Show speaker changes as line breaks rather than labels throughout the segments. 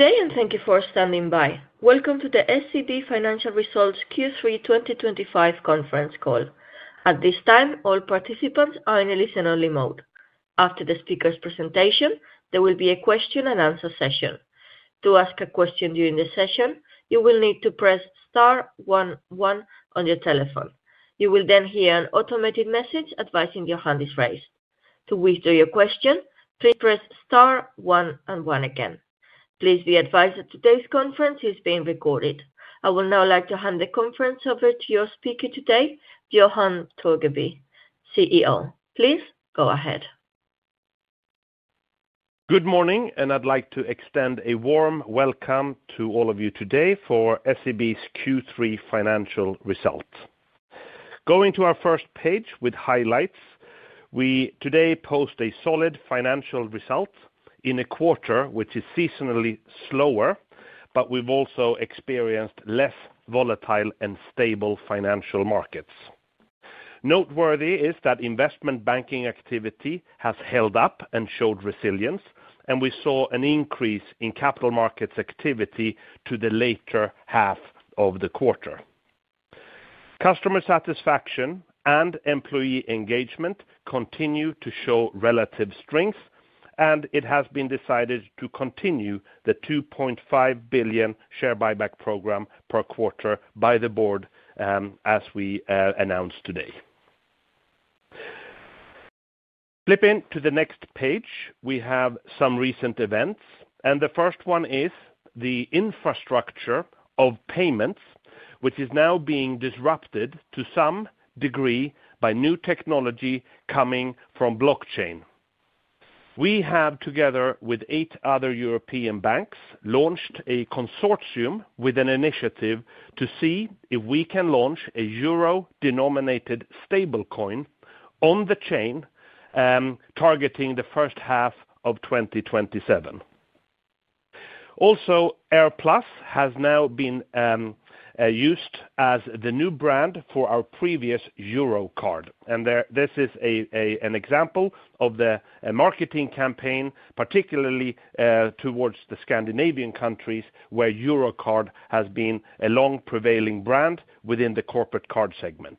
Today, and thank you for standing by. Welcome to the SEB Financial Results Q3 2025 conference call. At this time, all participants are in a listen-only mode. After the speaker's presentation, there will be a question and answer session. To ask a question during the session, you will need to press star one one on your telephone. You will then hear an automated message advising your hand is raised. To withdraw your question, please press star one one again. Please be advised that today's conference is being recorded. I would now like to hand the conference over to your speaker today, Johan Torgeby, CEO. Please go ahead.
Good morning, and I'd like to extend a warm welcome to all of you today for SEB's Q3 financial results. Going to our first page with highlights, we today post a solid financial result in a quarter which is seasonally slower, but we've also experienced less volatile and stable financial markets. Noteworthy is that investment banking activity has held up and showed resilience, and we saw an increase in capital markets activity to the later half of the quarter. Customer satisfaction and employee engagement continue to show relative strength, and it has been decided to continue the 2.5 billion share buyback program per quarter by the board as we announced today. Flipping to the next page, we have some recent events, and the first one is the infrastructure of payments, which is now being disrupted to some degree by new technology coming from blockchain. We have, together with eight other European banks, launched a consortium with an initiative to see if we can launch a euro-denominated stablecoin on the chain, targeting the first half of 2027. Also, AirPlus has now been used as the new brand for our previous Eurocard, and this is an example of the marketing campaign, particularly towards the Scandinavian countries where Eurocard has been a long prevailing brand within the corporate card segment.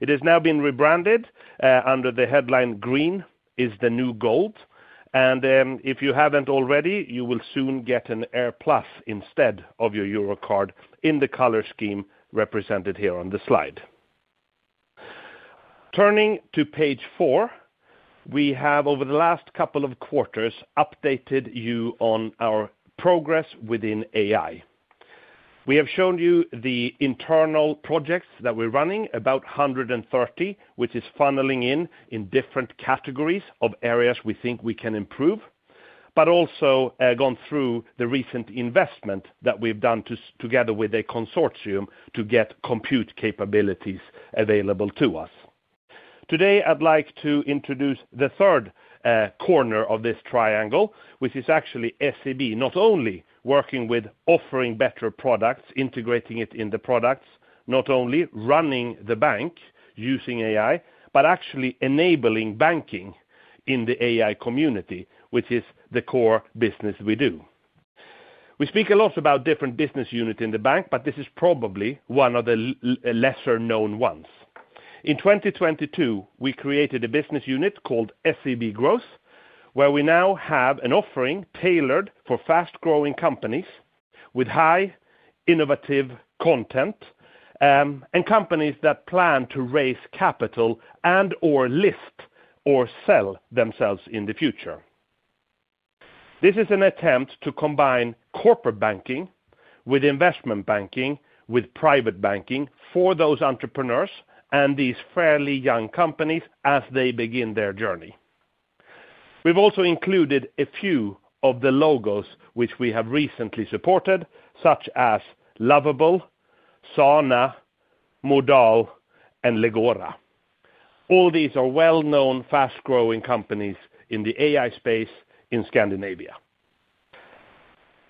It has now been rebranded under the headline "Green is the New Gold," and if you haven't already, you will soon get an AirPlus instead of your Eurocard in the color scheme represented here on the slide. Turning to page four, we have, over the last couple of quarters, updated you on our progress within AI. We have shown you the internal projects that we're running, about 130, which is funneling in in different categories of areas we think we can improve, but also gone through the recent investment that we've done together with a consortium to get compute capabilities available to us. Today, I'd like to introduce the third corner of this triangle, which is actually SEB not only working with offering better products, integrating it in the products, not only running the bank using AI, but actually enabling banking in the AI community, which is the core business we do. We speak a lot about different business units in the bank, but this is probably one of the lesser-known ones. In 2022, we created a business unit called SEB Growth, where we now have an offering tailored for fast-growing companies with high innovative content and companies that plan to raise capital and/or list or sell themselves in the future. This is an attempt to combine corporate banking with investment banking with private banking for those entrepreneurs and these fairly young companies as they begin their journey. We've also included a few of the logos which we have recently supported, such as Lovable, Sauna, Modal, and Legora. All these are well-known fast-growing companies in the AI space in Scandinavia.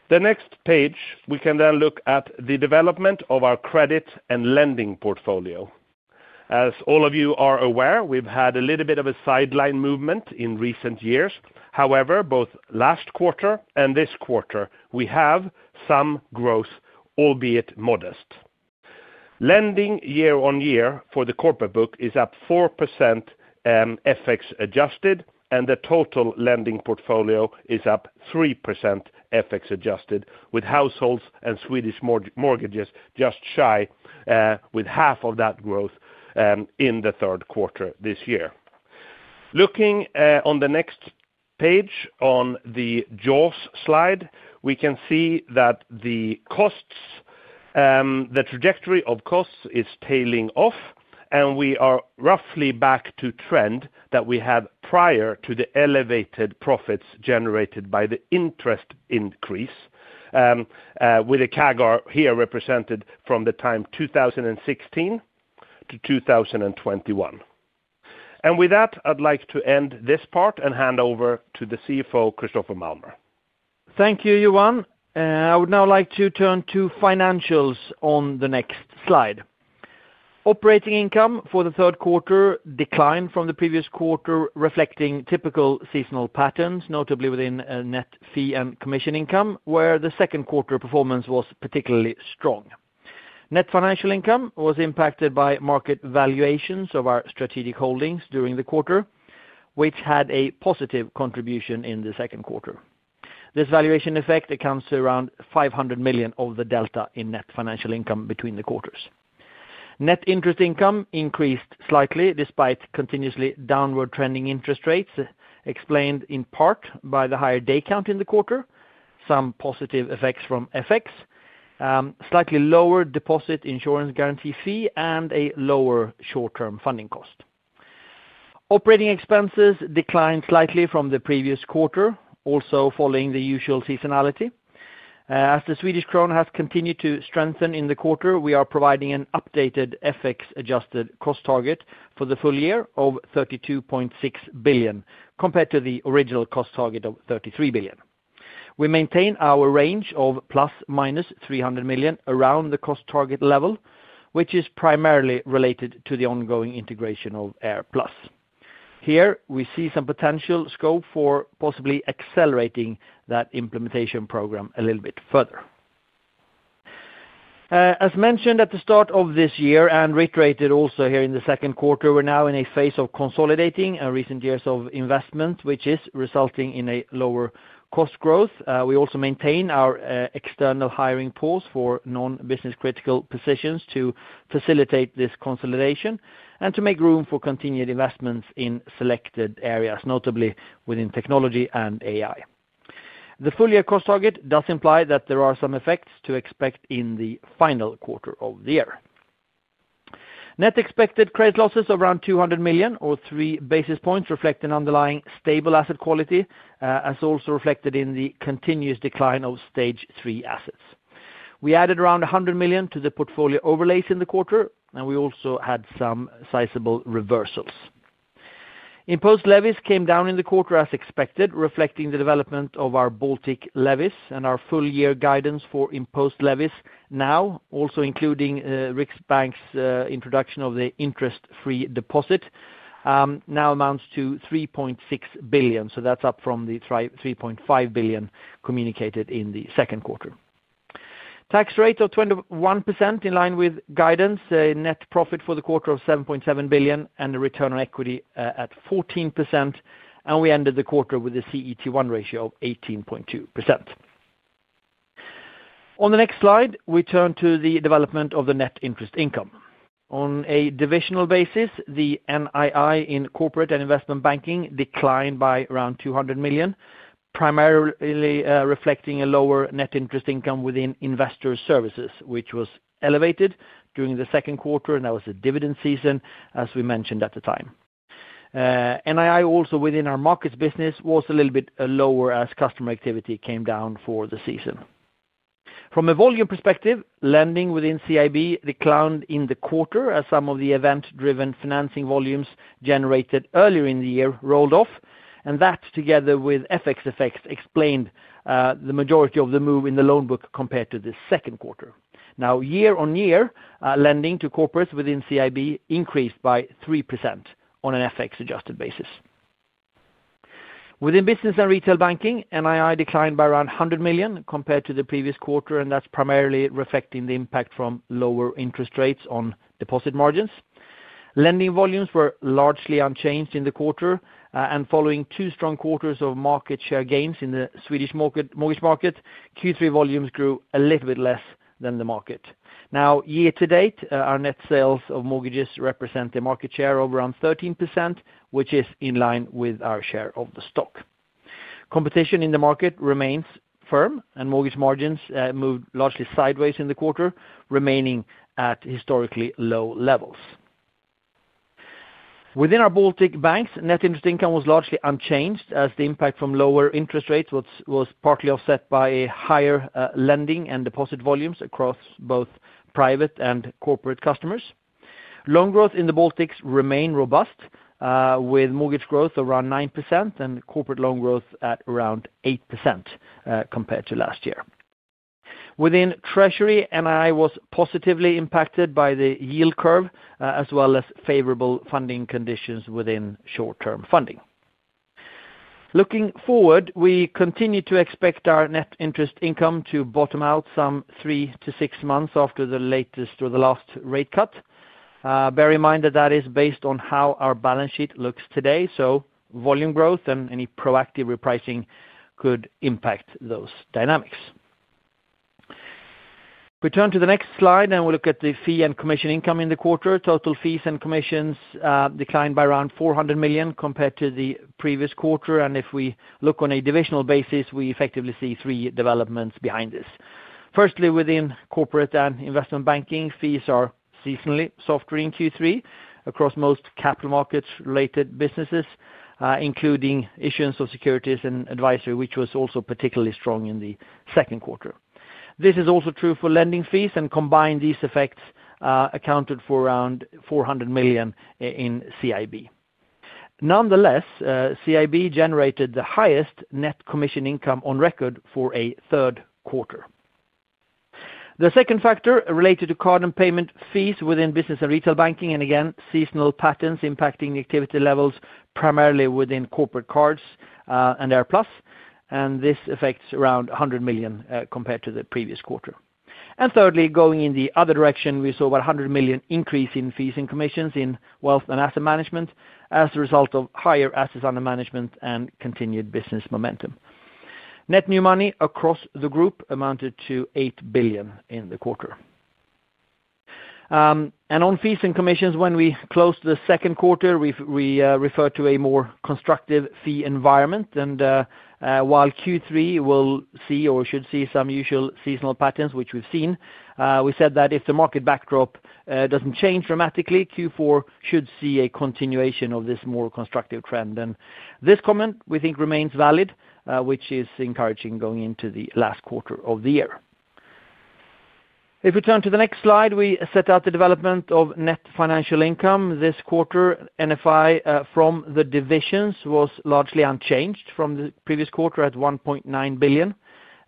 The next page, we can then look at the development of our credit and lending portfolio. As all of you are aware, we've had a little bit of a sideline movement in recent years. However, both last quarter and this quarter, we have some growth, albeit modest. Lending year-on-year for the corporate book is up 4% FX-adjusted, and the total lending portfolio is up 3% FX-adjusted, with households and Swedish mortgages just shy with half of that growth in the third quarter this year. Looking on the next page on the JAWS slide, we can see that the costs, the trajectory of costs is tailing off, and we are roughly back to trend that we had prior to the elevated profits generated by the interest increase, with a CAGR here represented from the time 2016 to 2021. With that, I'd like to end this part and hand over to the CFO, Christoffer Malmer.
Thank you, Johan. I would now like to turn to financials on the next slide. Operating income for the third quarter declined from the previous quarter, reflecting typical seasonal patterns, notably within net fee and commission income, where the second quarter performance was particularly strong. Net financial income was impacted by market valuations of our strategic holdings during the quarter, which had a positive contribution in the second quarter. This valuation effect accounts for around 500 million of the delta in net financial income between the quarters. Net interest income increased slightly despite continuously downward-trending interest rates, explained in part by the higher day count in the quarter, some positive effects from FX, slightly lower deposit insurance guarantee fee, and a lower short-term funding cost. Operating expenses declined slightly from the previous quarter, also following the usual seasonality. As the Swedish krona has continued to strengthen in the quarter, we are providing an updated FX-adjusted cost target for the full year of 32.6 billion, compared to the original cost target of 33 billion. We maintain our range of plus minus 300 million around the cost target level, which is primarily related to the ongoing integration of AirPlus. Here, we see some potential scope for possibly accelerating that implementation program a little bit further. As mentioned at the start of this year and reiterated also here in the second quarter, we're now in a phase of consolidating our recent years of investment, which is resulting in a lower cost growth. We also maintain our external hiring pools for non-business-critical positions to facilitate this consolidation and to make room for continued investments in selected areas, notably within technology and AI. The full-year cost target does imply that there are some effects to expect in the final quarter of the year. Net expected credit losses of around 200 million or 3 basis points reflect an underlying stable asset quality, as also reflected in the continuous decline of stage 3 assets. We added around 100 million to the portfolio overlays in the quarter, and we also had some sizable reversals. Imposed levies came down in the quarter as expected, reflecting the development of our Baltic levies, and our full-year guidance for imposed levies now, also including Riksbank's introduction of the interest-free deposit, now amounts to 3.6 billion. That's up from the 3.5 billion communicated in the second quarter. Tax rate of 21% in line with guidance, net profit for the quarter of 7.7 billion, and the return on equity at 14%. We ended the quarter with a CET1 ratio of 18.2%. On the next slide, we turn to the development of the net interest income. On a divisional basis, the NII in Corporate and Investment Banking declined by around 200 million, primarily reflecting a lower net interest income within Investor Services, which was elevated during the second quarter, and that was the dividend season, as we mentioned at the time. NII also within our Markets business was a little bit lower as customer activity came down for the season. From a volume perspective, lending within CIB declined in the quarter as some of the event-driven financing volumes generated earlier in the year rolled off, and that together with FX effects explained the majority of the move in the loan book compared to the second quarter. Year-on-year, lending to corporates within CIB increased by 3% on an FX-adjusted basis. Within Business and Retail Banking, NII declined by around 100 million compared to the previous quarter, and that's primarily reflecting the impact from lower interest rates on deposit margins. Lending volumes were largely unchanged in the quarter, and following two strong quarters of market share gains in the Swedish mortgage market, Q3 volumes grew a little bit less than the market. Year to date, our net sales of mortgages represent a market share of around 13%, which is in line with our share of the stock. Competition in the market remains firm, and mortgage margins moved largely sideways in the quarter, remaining at historically low levels. Within our Baltic banks, net interest income was largely unchanged as the impact from lower interest rates was partly offset by higher lending and deposit volumes across both private and corporate customers. Loan growth in the Baltics remained robust, with mortgage growth around 9% and corporate loan growth at around 8% compared to last year. Within Treasury, NII was positively impacted by the yield curve as well as favorable funding conditions within short-term funding. Looking forward, we continue to expect our net interest income to bottom out some three to six months after the latest or the last rate cut. Bear in mind that is based on how our balance sheet looks today, so volume growth and any proactive repricing could impact those dynamics. We turn to the next slide, and we look at the fee and commission income in the quarter. Total fees and commissions declined by around 400 million compared to the previous quarter, and if we look on a divisional basis, we effectively see three developments behind this. Firstly, within Corporate and Investment Banking, fees are seasonally softer in Q3 across most capital markets-related businesses, including issuance of securities and advisory, which was also particularly strong in the second quarter. This is also true for lending fees, and combined, these effects accounted for around 400 million in CIB. Nonetheless, CIB generated the highest net commission income on record for a third quarter. The second factor related to card and payment fees within Business and Retail Banking, and again, seasonal patterns impacting the activity levels primarily within corporate cards and AirPlus, and this affects around 100 million compared to the previous quarter. Thirdly, going in the other direction, we saw about 100 million increase in fees and commissions in Wealth and Asset Management as a result of higher assets under management and continued business momentum. Net new money across the group amounted to 8 billion in the quarter. On fees and commissions, when we closed the second quarter, we referred to a more constructive fee environment, and while Q3 will see or should see some usual seasonal patterns, which we've seen, we said that if the market backdrop doesn't change dramatically, Q4 should see a continuation of this more constructive trend. This comment, we think, remains valid, which is encouraging going into the last quarter of the year. If we turn to the next slide, we set out the development of net financial income this quarter. NFI from the divisions was largely unchanged from the previous quarter at 1.9 billion.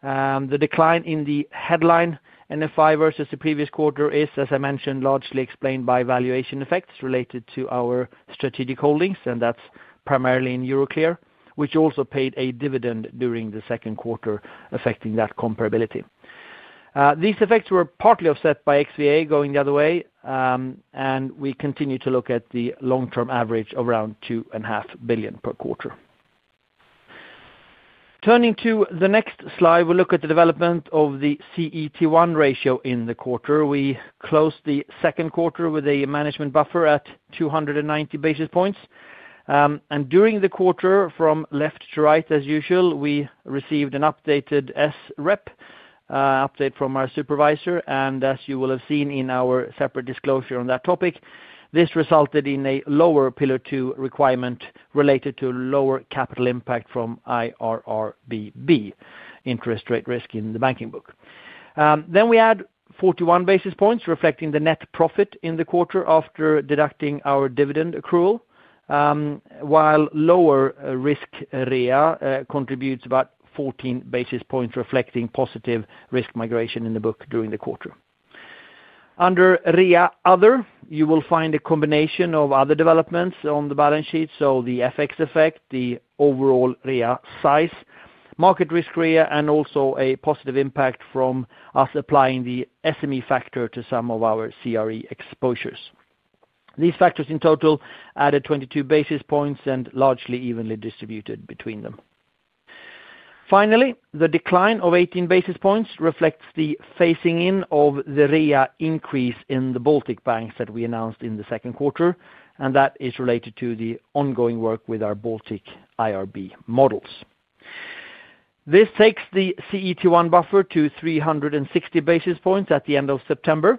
The decline in the headline NFI versus the previous quarter is, as I mentioned, largely explained by valuation effects related to our strategic holdings, and that's primarily in Euroclear, which also paid a dividend during the second quarter affecting that comparability. These effects were partly offset by XVA going the other way, and we continue to look at the long-term average of around 2.5 billion per quarter. Turning to the next slide, we'll look at the development of the CET1 ratio in the quarter. We closed the second quarter with a management buffer at 290 basis points. During the quarter, from left to right, as usual, we received an updated SREP update from our supervisor, and as you will have seen in our separate disclosure on that topic, this resulted in a lower Pillar 2 requirement related to lower capital impact from IRRBB interest rate risk in the banking book. We add 41 basis points reflecting the net profit in the quarter after deducting our dividend accrual while lower risk RWA contributes about 14 basis points reflecting positive risk migration in the book during the quarter. Under RWA other, you will find a combination of other developments on the balance sheet, the FX effect, the overall RWA size, market risk RWA, and also a positive impact from us applying the SME factor to some of our CRE exposures. These factors in total added 22 basis points and were largely evenly distributed between them. Finally, the decline of 18 basis points reflects the phasing in of the RWA increase in the Baltic banks that we announced in the second quarter, and that is related to the ongoing work with our Baltic IRB models. This takes the CET1 buffer to 360 basis points at the end of September,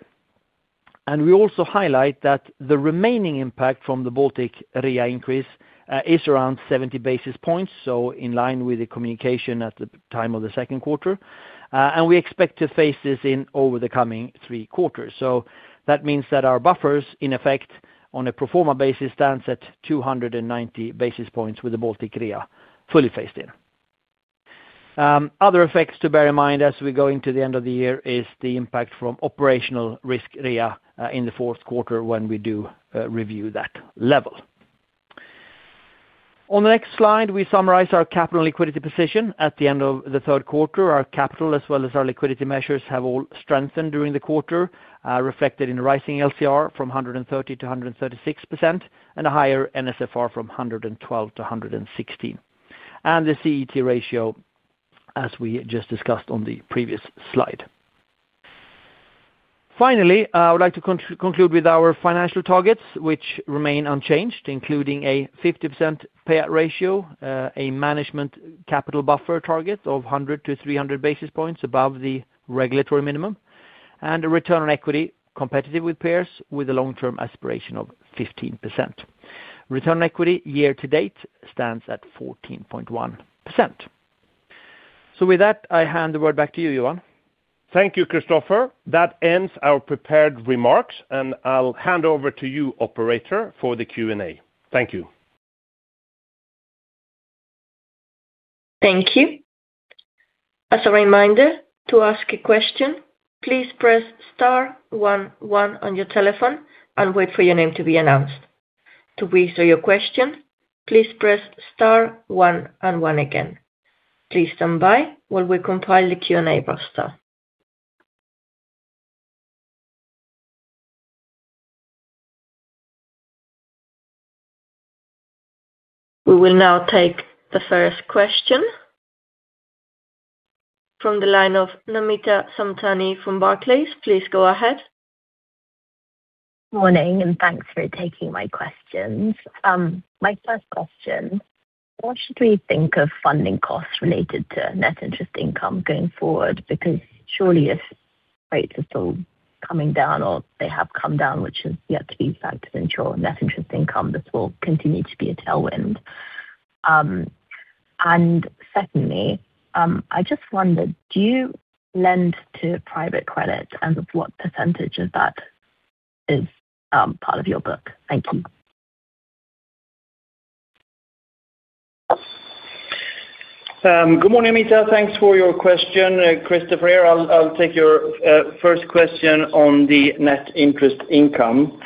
and we also highlight that the remaining impact from the Baltic RWA increase is around 70 basis points, in line with the communication at the time of the second quarter, and we expect to phase this in over the coming three quarters. That means that our buffers, in effect, on a pro forma basis stand at 290 basis points with the Baltic RWA fully phased in. Other effects to bear in mind as we go into the end of the year is the impact from operational risk RWA in the fourth quarter when we do review that level. On the next slide, we summarize our capital and liquidity position at the end of the third quarter. Our capital as well as our liquidity measures have all strengthened during the quarter, reflected in a rising LCR from 130% to 136% and a higher NSFR from 112% to 116%, and the CET1 ratio as we just discussed on the previous slide. Finally, I would like to conclude with our financial targets, which remain unchanged, including a 50% payout ratio, a management capital buffer target of 100 to 300 basis points above the regulatory minimum, and a return on equity competitive with peers with a long-term aspiration of 15%. Return on equity year to date stands at 14.1%. With that, I hand the word back to you, Johan.
Thank you, Cristoffer. That ends our prepared remarks, and I'll hand over to you, operator, for the Q&A. Thank you.
Thank you. As a reminder, to ask a question, please press star one one on your telephone and wait for your name to be announced. To withdraw your question, please press star one one again. Please stand by while we compile the Q&A process. We will now take the first question from the line of Namita Samtani from Barclays. Please go ahead.
Morning, and thanks for taking my questions. My first question, what should we think of funding costs related to net interest income going forward? Because surely if rates are still coming down or they have come down, which is yet to be factored into our net interest income, this will continue to be a tailwind. Secondly, I just wonder, do you lend to private credit, and what percentage of that is part of your book? Thank you.
Good morning, Namita. Thanks for your question. Cristoffer here. I'll take your first question on the net interest income.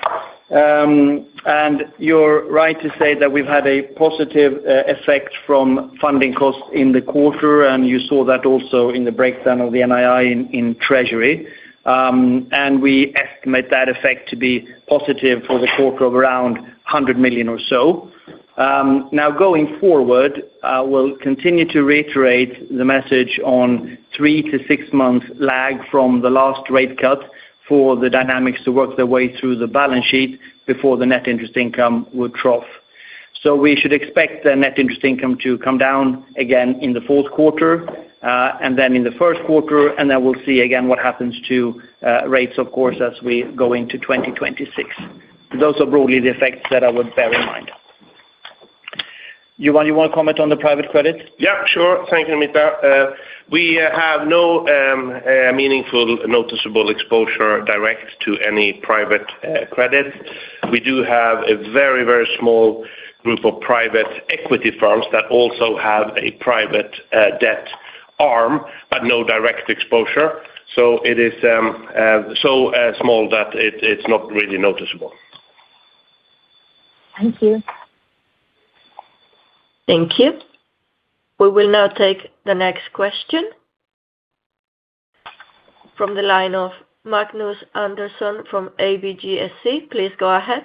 You're right to say that we've had a positive effect from funding costs in the quarter, and you saw that also in the breakdown of the NII in Treasury. We estimate that effect to be positive for the quarter of around 100 million or so. Now, going forward, we'll continue to reiterate the message on three to six months lag from the last rate cut for the dynamics to work their way through the balance sheet before the net interest income would trough. We should expect the net interest income to come down again in the fourth quarter and then in the first quarter, and then we'll see again what happens to rates, of course, as we go into 2026. Those are broadly the effects that I would bear in mind. Johan, you want to comment on the private credit?
Thank you, Namita. We have no meaningful, noticeable exposure direct to any private credit. We do have a very, very small group of private equity firms that also have a private debt arm, but no direct exposure. It is so small that it's not really noticeable.
Thank you.
Thank you. We will now take the next question from the line of Magnus Andersson from ABGSC. Please go ahead.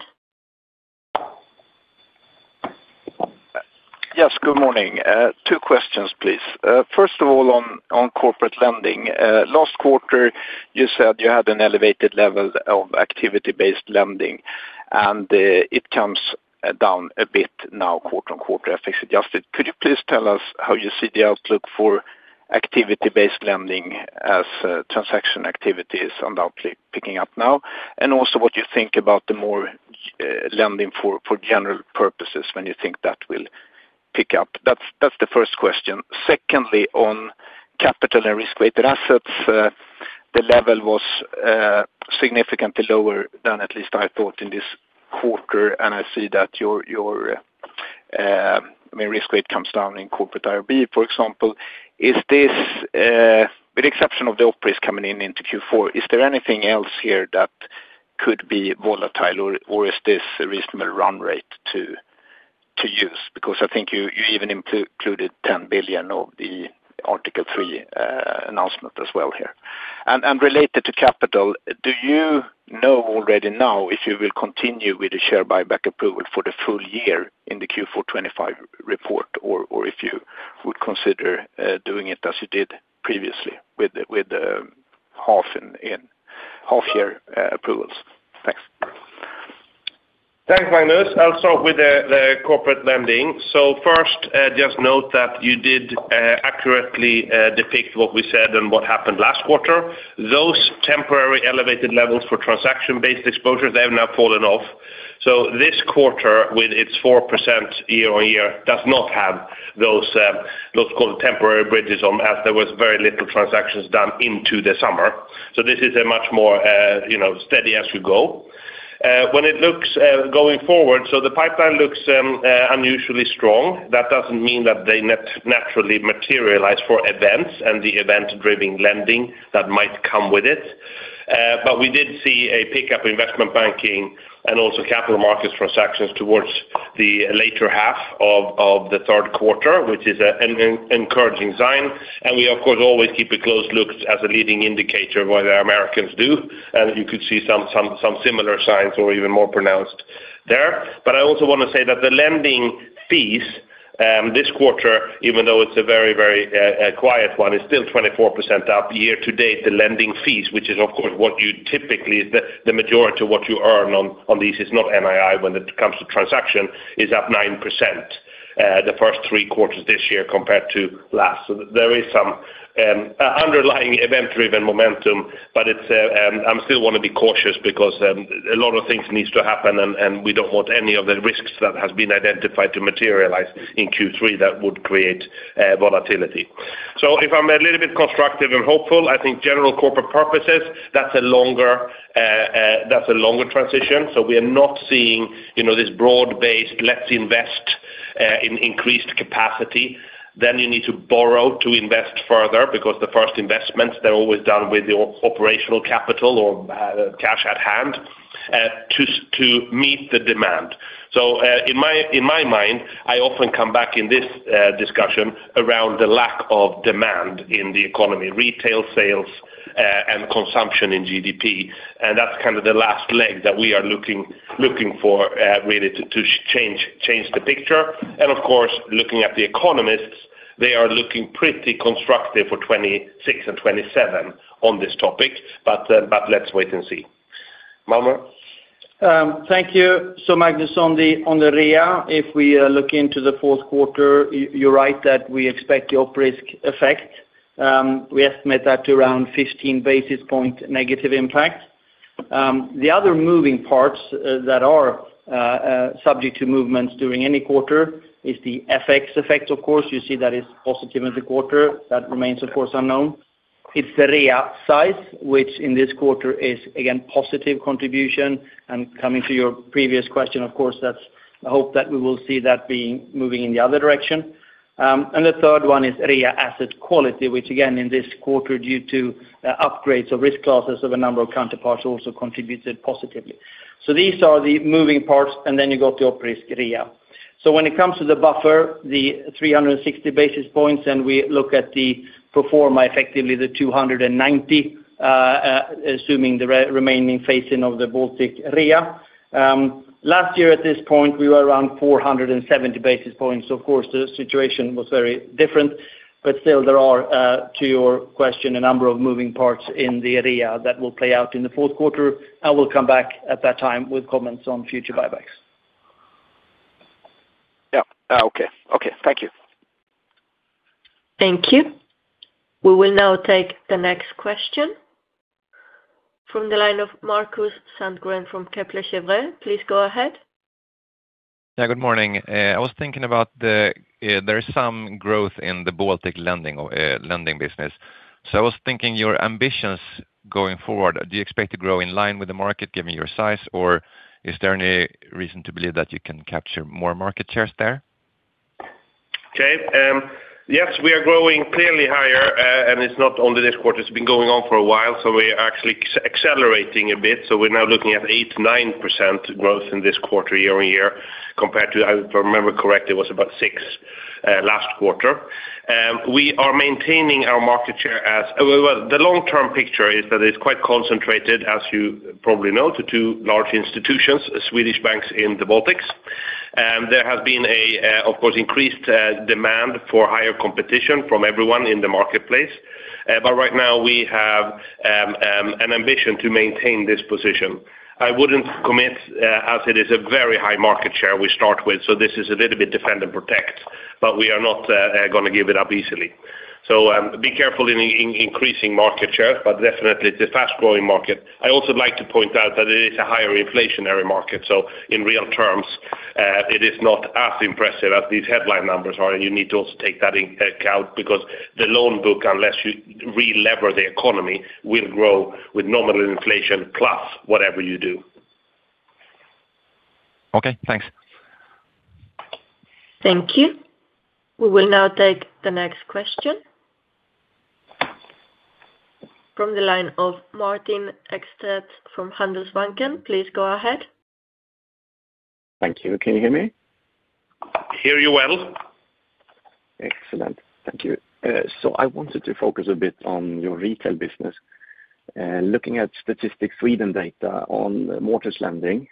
Yes, good morning. Two questions, please. First of all, on corporate lending. Last quarter, you said you had an elevated level of activity-based lending, and it comes down a bit now quarter on quarter, FX-adjusted. Could you please tell us how you see the outlook for activity-based lending as transaction activities are now picking up now, and also what you think about the more lending for general purposes when you think that will pick up? That's the first question. Secondly, on capital and risk-weighted assets, the level was significantly lower than at least I thought in this quarter, and I see that your risk rate comes down in corporate IRB, for example. With the exception of the OpRes coming in into Q4, is there anything else here that could be volatile, or is this a reasonable run rate to use? I think you even included 10 billion of the Article 3 announcement as well here. Related to capital, do you know already now if you will continue with the share buyback approval for the full year in the Q4 2025 report, or if you would consider doing it as you did previously with the half-year approvals? Thanks.
Thanks, Magnus. I'll start with the corporate lending. First, just note that you did accurately depict what we said and what happened last quarter. Those temporary elevated levels for transaction-based exposures have now fallen off. This quarter, with its 4% year-on-year, does not have those called temporary bridges on as there were very little transactions done into the summer. This is a much more steady as we go. When it looks going forward, the pipeline looks unusually strong. That doesn't mean that they naturally materialize for events and the event-driven lending that might come with it. We did see a pickup in investment banking and also capital markets transactions towards the later half of the third quarter, which is an encouraging sign. We, of course, always keep a close look as a leading indicator of what Americans do. You could see some similar signs or even more pronounced there. I also want to say that the lending fees this quarter, even though it's a very, very quiet one, is still 24% up year to date. The lending fees, which is, of course, what you typically the majority of what you earn on these is not NII when it comes to transaction, is up 9% the first three quarters this year compared to last. There is some underlying event-driven momentum, but I still want to be cautious because a lot of things need to happen, and we don't want any of the risks that have been identified to materialize in Q3 that would create volatility. If I'm a little bit constructive and hopeful, I think general corporate purposes, that's a longer transition. We are not seeing this broad-based let's invest in increased capacity. You need to borrow to invest further because the first investments, they're always done with your operational capital or cash at hand to meet the demand. In my mind, I often come back in this discussion around the lack of demand in the economy, retail sales, and consumption in GDP. That's kind of the last leg that we are looking for really to change the picture. Of course, looking at the economists, they are looking pretty constructive for 2026 and 2027 on this topic, but let's wait and see. Malmer?
Thank you. Magnus, on the RWA, if we look into the fourth quarter, you're right that we expect the OpRes effect. We estimate that to around 15 basis points negative impact. The other moving parts that are subject to movements during any quarter is the FX effect, of course. You see that it's positive in the quarter. That remains, of course, unknown. It's the RWA size, which in this quarter is, again, positive contribution. Coming to your previous question, I hope that we will see that moving in the other direction. The third one is RWA asset quality, which again in this quarter due to upgrades of risk classes of a number of counterparts also contributed positively. These are the moving parts, and then you got the OpRes RWA. When it comes to the buffer, the 360 basis points, and we look at the pro forma effectively the 290, assuming the remaining phasing of the Baltic RWA. Last year, at this point, we were around 470 basis points. The situation was very different, but still there are, to your question, a number of moving parts in the area that will play out in the fourth quarter. I will come back at that time with comments on future buybacks.
Okay. Thank you.
Thank you. We will now take the next question from the line of Markus Sandgren from Kepler Cheuvreux. Please go ahead.
Good morning. I was thinking about there is some growth in the Baltic lending business. I was thinking your ambitions going forward, do you expect to grow in line with the market given your size, or is there any reason to believe that you can capture more market shares there?
Okay. Yes, we are growing clearly higher, and it's not only this quarter. It's been going on for a while, so we are actually accelerating a bit. We're now looking at 8%-9% growth in this quarter year-on-year compared to, if I remember correctly, it was about 6% last quarter. We are maintaining our market share as well. The long-term picture is that it's quite concentrated, as you probably know, to two large institutions, Swedish banks in the Baltics. There has been, of course, increased demand for higher competition from everyone in the marketplace. Right now, we have an ambition to maintain this position. I wouldn't commit as it is a very high market share we start with. This is a little bit defend and protect, but we are not going to give it up easily. Be careful in increasing market share, but definitely, it's a fast-growing market. I also like to point out that it is a higher inflationary market. In real terms, it is not as impressive as these headline numbers are, and you need to also take that into account because the loan book, unless you re-lever the economy, will grow with nominal inflation plus whatever you do.
Okay. Thanks.
Thank you. We will now take the next question from the line of Martin Ekstedt from Handelsbanken. Please go ahead.
Thank you. Can you hear me?
I hear you well.
Excellent. Thank you. I wanted to focus a bit on your retail business. Looking at Statistics Sweden data on mortgage lending,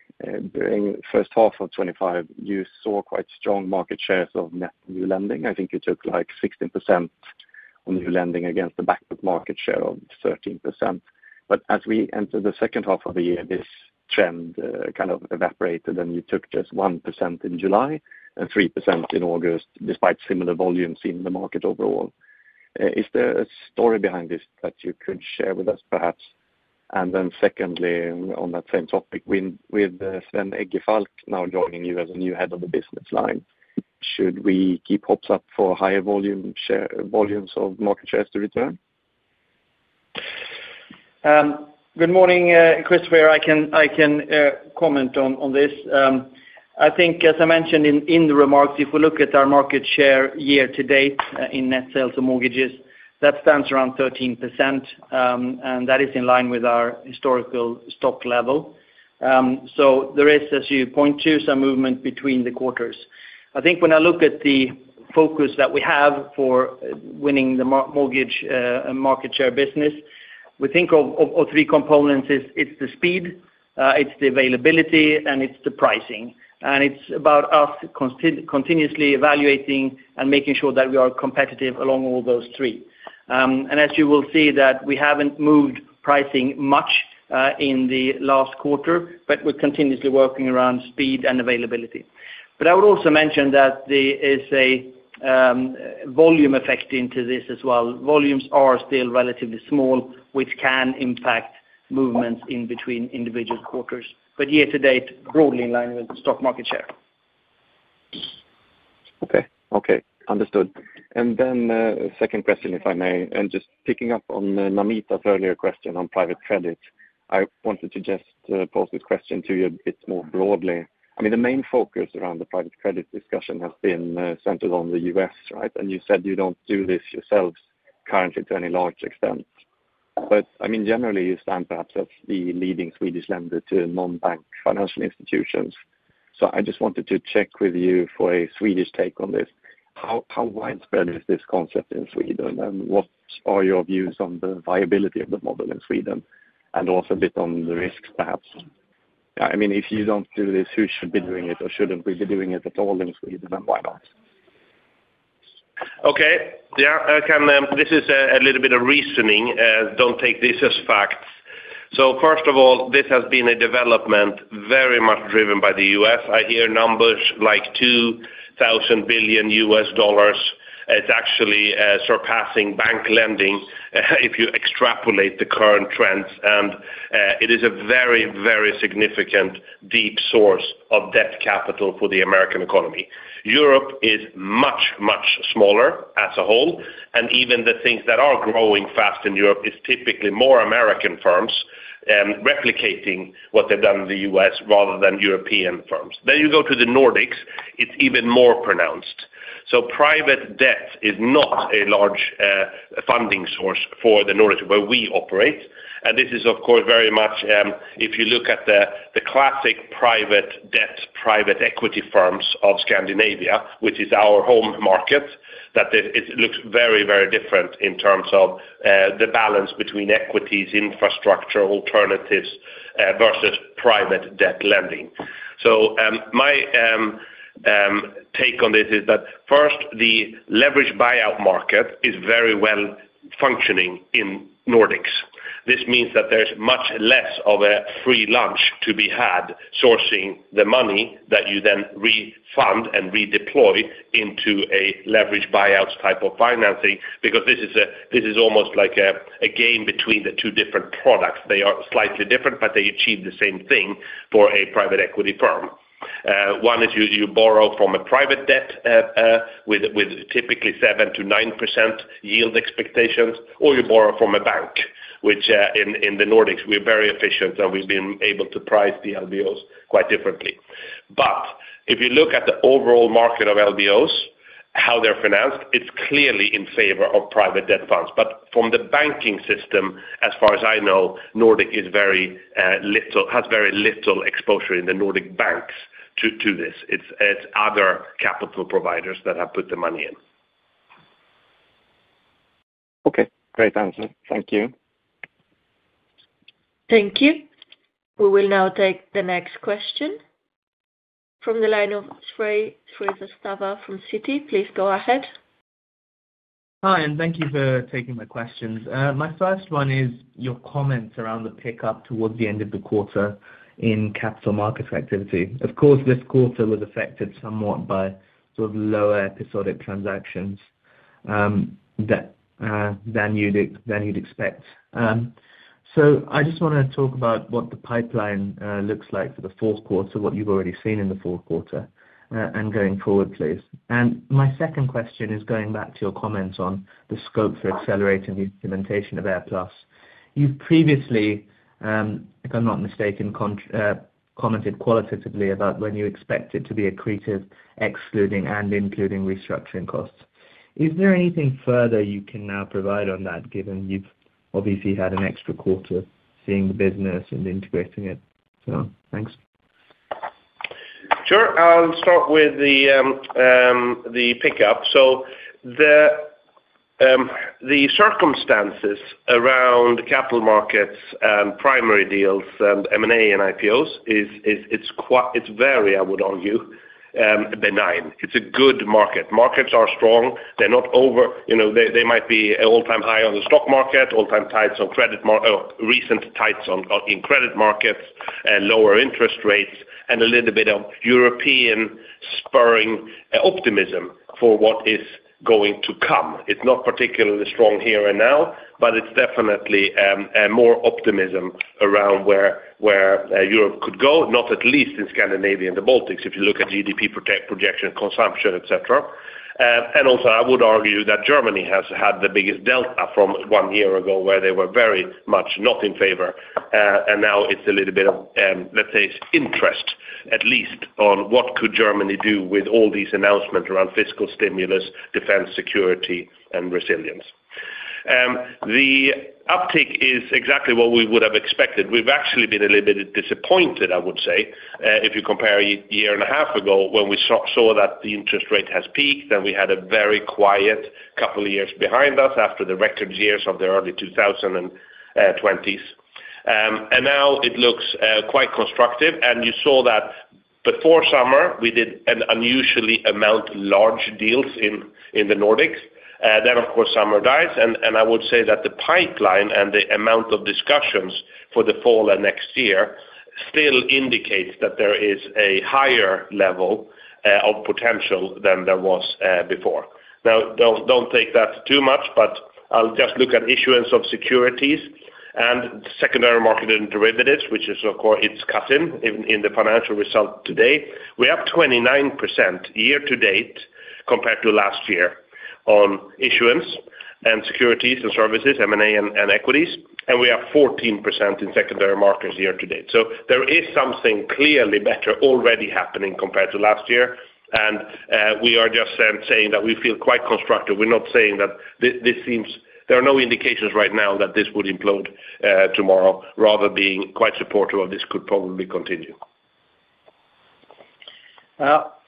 during the first half of 2025, you saw quite strong market shares of net new lending. I think you took like 16% on the new lending against the backbook market share of 13%. As we entered the second half of the year, this trend kind of evaporated, and you took just 1% in July and 3% in August, despite similar volumes in the market overall. Is there a story behind this that you could share with us perhaps? Secondly, on that same topic, with Sven Eggefalk now joining you as a new Head of the Business Line, should we keep hopes up for higher volumes of market shares to return?
Good morning. Cristoffer here. I can comment on this. I think, as I mentioned in the remarks, if we look at our market share year to date in net sales of mortgages, that stands around 13%, and that is in line with our historical stock level. There is, as you point to, some movement between the quarters. I think when I look at the focus that we have for winning the mortgage market share business, we think of three components. It's the speed, it's the availability, and it's the pricing. It's about us continuously evaluating and making sure that we are competitive along all those three. As you will see, we haven't moved pricing much in the last quarter, but we're continuously working around speed and availability. I would also mention that there is a volume effect into this as well. Volumes are still relatively small, which can impact movements in between individual quarters. Year to date, broadly in line with the stock market share.
Okay. Understood. A second question, if I may. Just picking up on Namita's earlier question on private credit, I wanted to pose this question to you a bit more broadly. The main focus around the private credit discussion has been centered on the U.S., right? You said you don't do this yourselves currently to any large extent. Generally, you stand perhaps as the leading Swedish lender to non-bank financial institutions. I just wanted to check with you for a Swedish take on this. How widespread is this concept in Sweden? What are your views on the viability of the model in Sweden? Also, a bit on the risks, perhaps. If you don't do this, who should be doing it, or shouldn't we be doing it at all in Sweden, and why not?
Okay. This is a little bit of reasoning. Don't take this as facts. First of all, this has been a development very much driven by the U.S. I hear numbers like $2,000 billion. It's actually surpassing bank lending if you extrapolate the current trends. It is a very, very significant deep source of debt capital for the American economy. Europe is much, much smaller as a whole. Even the things that are growing fast in Europe are typically more American firms replicating what they've done in the U.S. rather than European firms. You go to the Nordics, it's even more pronounced. Private debt is not a large funding source for the Nordics where we operate. This is, of course, very much if you look at the classic private debt, private equity firms of Scandinavia, which is our home market, that it looks very, very different in terms of the balance between equities, infrastructure, alternatives versus private debt lending. My take on this is that first, the leverage buyout market is very well functioning in Nordics. This means that there's much less of a free lunch to be had sourcing the money that you then refund and redeploy into a leverage buyout type of financing because this is almost like a game between the two different products. They are slightly different, but they achieve the same thing for a private equity firm. One is you borrow from a private debt with typically 7%-9% yield expectations, or you borrow from a bank, which in the Nordics, we're very efficient, and we've been able to price the LBOs quite differently. If you look at the overall market of LBOs, how they're financed, it's clearly in favor of private debt funds. From the banking system, as far as I know, Nordic has very little exposure in the Nordic banks to this. It's other capital providers that have put the money in.
Okay. Great answer. Thank you.
Thank you. We will now take the next question from the line of Sreya Stava from Citi. Please go ahead.
Hi, and thank you for taking my questions. My first one is your comments around the pickup towards the end of the quarter in capital markets activity. This quarter was affected somewhat by lower episodic transactions than you'd expect. I just want to talk about what the pipeline looks like for the fourth quarter, what you've already seen in the fourth quarter, and going forward, please. My second question is going back to your comments on the scope for accelerating the implementation of AirPlus. You've previously, if I'm not mistaken, commented qualitatively about when you expect it to be accretive, excluding, and including restructuring costs. Is there anything further you can now provide on that, given you've obviously had an extra quarter seeing the business and integrating it? Thanks.
Sure. I'll start with the pickup. The circumstances around capital markets and primary deals and M&A and IPOs, it's very, I would argue, benign. It's a good market. Markets are strong. They're not over. You know, they might be an all-time high on the stock market, all-time tights on credit markets, recent tights in credit markets, lower interest rates, and a little bit of European spurring optimism for what is going to come. It's not particularly strong here and now, but it's definitely more optimism around where Europe could go, not at least in Scandinavia and the Baltics if you look at GDP projection, consumption, etc. I would argue that Germany has had the biggest delta from one year ago where they were very much not in favor. Now it's a little bit of, let's say, interest at least on what could Germany do with all these announcements around fiscal stimulus, defense security, and resilience. The uptick is exactly what we would have expected. We've actually been a little bit disappointed, I would say, if you compare a year and a half ago when we saw that the interest rate has peaked and we had a very quiet couple of years behind us after the record years of the early 2000s and 2020s. Now it looks quite constructive. You saw that before summer, we did an unusually amount of large deals in the Nordics. Of course, summer dies. I would say that the pipeline and the amount of discussions for the fall and next year still indicates that there is a higher level of potential than there was before. Do not take that too much, but I'll just look at issuance of securities and secondary market derivatives, which is, of course, it's cutting in the financial result today. We're up 29% year to date compared to last year on issuance and securities and services, M&A and equities. We have 14% in secondary markets year to date. There is something clearly better already happening compared to last year. We are just saying that we feel quite constructive. We're not saying that this seems there are no indications right now that this would implode tomorrow, rather being quite supportive of this could probably continue.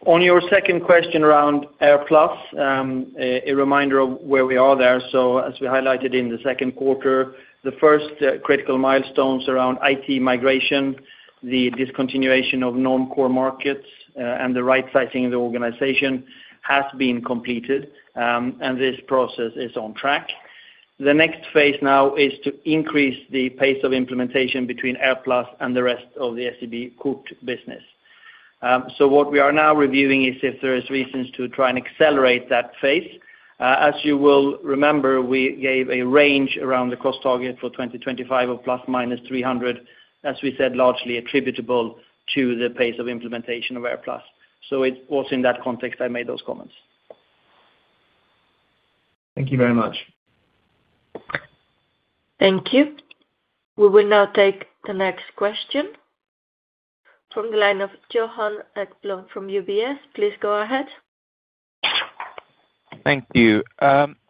On your second question around AirPlus, a reminder of where we are there. As we highlighted in the second quarter, the first critical milestones around IT migration, the discontinuation of non-core markets, and the right-sizing in the organization have been completed, and this process is on track. The next phase now is to increase the pace of implementation between AirPlus and the rest of the SEB core business. What we are now reviewing is if there are reasons to try and accelerate that phase. As you will remember, we gave a range around the cost target for 2025 of plus minus 300 million, as we said, largely attributable to the pace of implementation of AirPlus. It was in that context I made those comments.
Thank you very much.
Thank you. We will now take the next question from the line of Johan Ekblom from UBS. Please go ahead.
Thank you.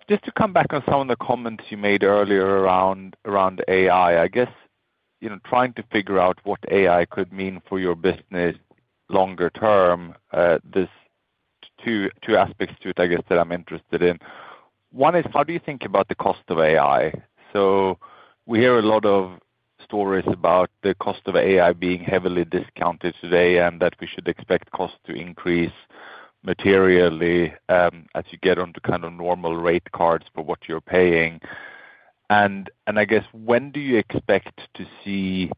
Just to come back on some of the comments you made earlier around AI, I guess, you know, trying to figure out what AI could mean for your business longer term, there's two aspects to it, I guess, that I'm interested in. One is how do you think about the cost of AI? We hear a lot of stories about the cost of AI being heavily discounted today and that we should expect costs to increase materially as you get onto kind of normal rate cards for what you're paying. When do you expect to see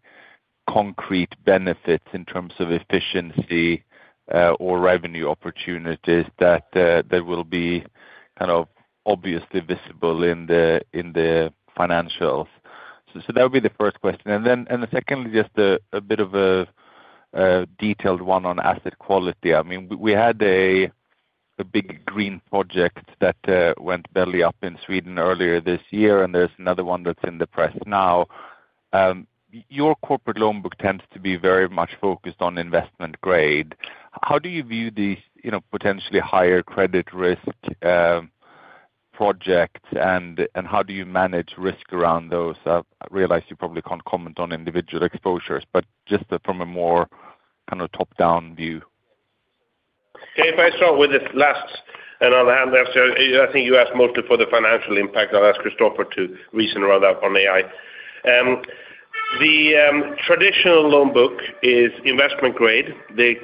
concrete benefits in terms of efficiency or revenue opportunities that will be kind of obviously visible in the financials? That would be the first question. Secondly, just a bit of a detailed one on asset quality. I mean, we had a big green project that went belly up in Sweden earlier this year, and there's another one that's in the press now. Your corporate loan book tends to be very much focused on investment grade. How do you view these potentially higher credit risk projects, and how do you manage risk around those? I realize you probably can't comment on individual exposures, but just from a more kind of top-down view.
Okay. If I start with this last, and on the hand, I think you asked mostly for the financial impact. I'll ask Cristoffer to reason around that on AI. The traditional loan book is investment grade. The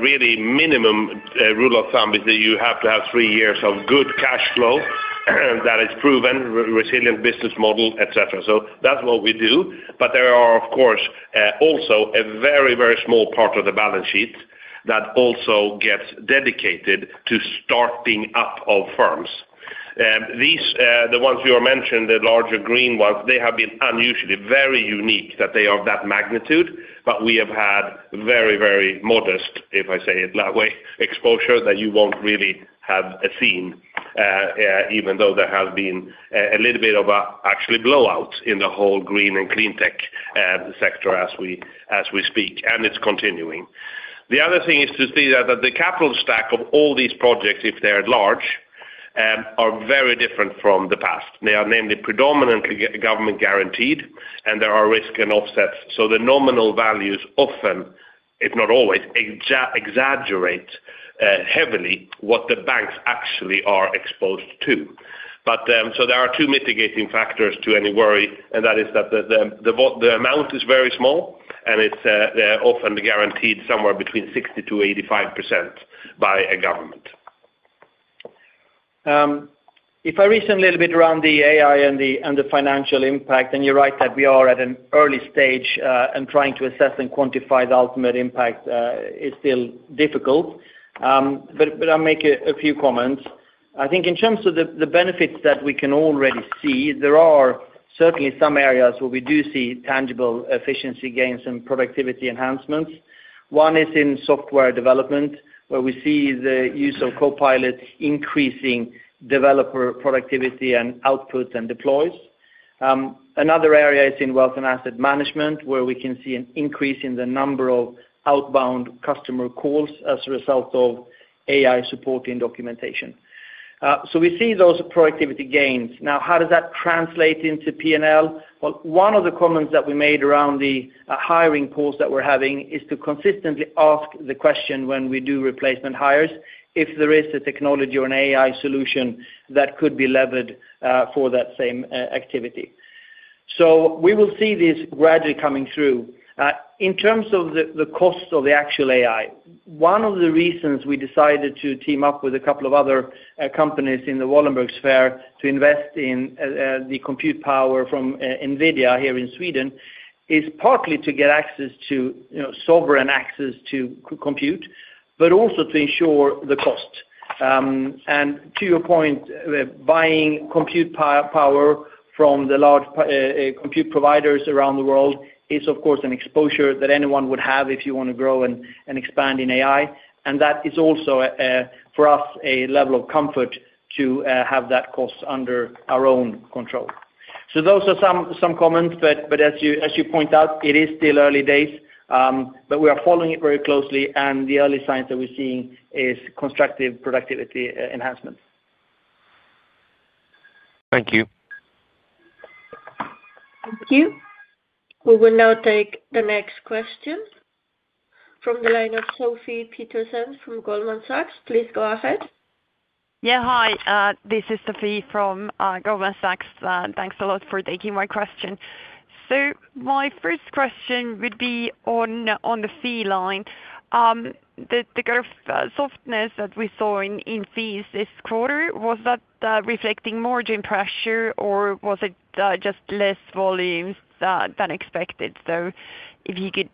really minimum rule of thumb is that you have to have three years of good cash flow that is proven, resilient business model, etc. That's what we do. There are, of course, also a very, very small part of the balance sheet that also gets dedicated to starting up of firms. The ones you mentioned, the larger green ones, they have been unusually very unique that they are of that magnitude. We have had very, very modest, if I say it that way, exposure that you won't really have seen, even though there has been a little bit of actually blowouts in the whole green and clean tech sector as we speak, and it's continuing. The other thing is to see that the capital stack of all these projects, if they're large, are very different from the past. They are namely predominantly government guaranteed, and there are risk and offsets. The nominal values often, if not always, exaggerate heavily what the banks actually are exposed to. There are two mitigating factors to any worry, and that is that the amount is very small, and it's often guaranteed somewhere between 60%-85% by a government.
If I reason a little bit around the AI and the financial impact, and you're right that we are at an early stage, trying to assess and quantify the ultimate impact is still difficult. I'll make a few comments. I think in terms of the benefits that we can already see, there are certainly some areas where we do see tangible efficiency gains and productivity enhancements. One is in software development, where we see the use of copilots increasing developer productivity and outputs and deploys. Another area is in wealth and asset management, where we can see an increase in the number of outbound customer calls as a result of AI supporting documentation. We see those productivity gains. How does that translate into P&L? One of the comments that we made around the hiring calls that we're having is to consistently ask the question when we do replacement hires if there is a technology or an AI solution that could be levered for that same activity. We will see this gradually coming through. In terms of the cost of the actual AI, one of the reasons we decided to team up with a couple of other companies in the Wallenberg's sphere to invest in the compute power from NVIDIA here in Sweden is partly to get access to sovereign access to compute, but also to ensure the cost. To your point, buying compute power from the large compute providers around the world is, of course, an exposure that anyone would have if you want to grow and expand in AI. That is also, for us, a level of comfort to have that cost under our own control. Those are some comments, but as you point out, it is still early days, and we are following it very closely, and the early signs that we're seeing are constructive productivity enhancements.
Thank you.
Thank you. We will now take the next question from the line of Sophie Peterson from Goldman Sachs. Please go ahead.
Yeah, hi. This is Sophie from Goldman Sachs. Thanks a lot for taking my question. My first question would be on the fee line. The kind of softness that we saw in fees this quarter, was that reflecting margin pressure, or was it just less volumes than expected? If you could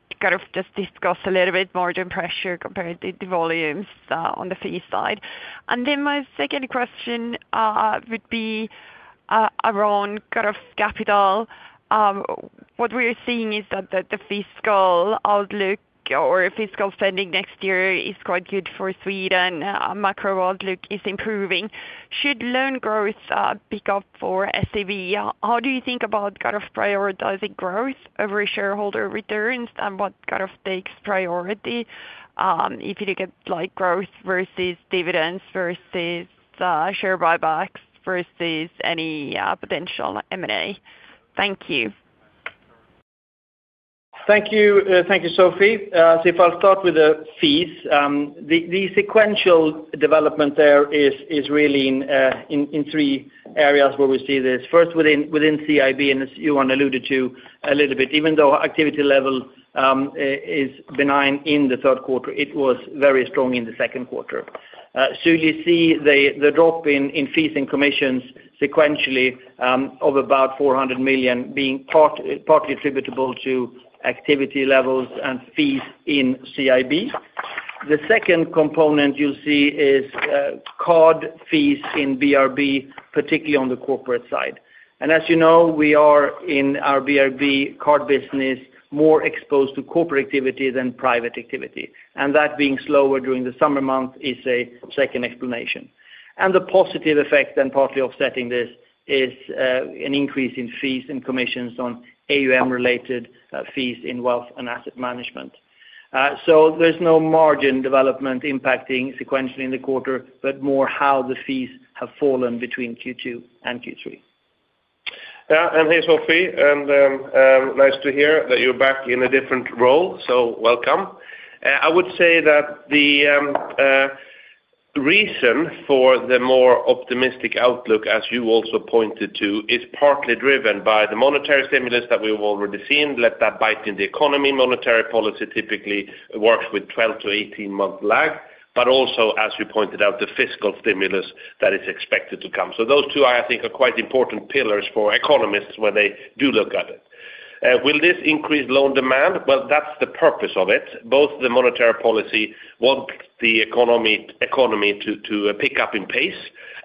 just discuss a little bit margin pressure compared to the volumes on the fee side. My second question would be around capital. What we are seeing is that the fiscal outlook or fiscal spending next year is quite good for Sweden. A macro outlook is improving. Should loan growth pick up for SEB? How do you think about prioritizing growth over shareholder returns, and what takes priority if you look at growth versus dividends versus share buybacks versus any potential M&A? Thank you.
Thank you. Thank you, Sophie. If I start with the fees, the sequential development there is really in three areas where we see this. First, within CIB, and as Johan alluded to a little bit, even though activity level is benign in the third quarter, it was very strong in the second quarter. You see the drop in fees and commissions sequentially of about 400 million, being partly attributable to activity levels and fees in CIB. The second component you'll see is card fees in BRB, particularly on the corporate side. As you know, we are in our BRB card business more exposed to corporate activity than private activity. That being slower during the summer month is a second explanation. The positive effect and partly offsetting this is an increase in fees and commissions on AUM-related fees in wealth and asset management. There's no margin development impacting sequentially in the quarter, but more how the fees have fallen between Q2 and Q3. Hey, Sophie, nice to hear that you're back in a different role. Welcome. I would say that the reason for the more optimistic outlook, as you also pointed to, is partly driven by the monetary stimulus that we've already seen. Let that bite in the economy. Monetary policy typically works with a 12 to 18-month lag, but also, as you pointed out, the fiscal stimulus that is expected to come. Those two, I think, are quite important pillars for economists when they do look at it. Will this increase loan demand? That's the purpose of it. Both the monetary policy wants the economy to pick up in pace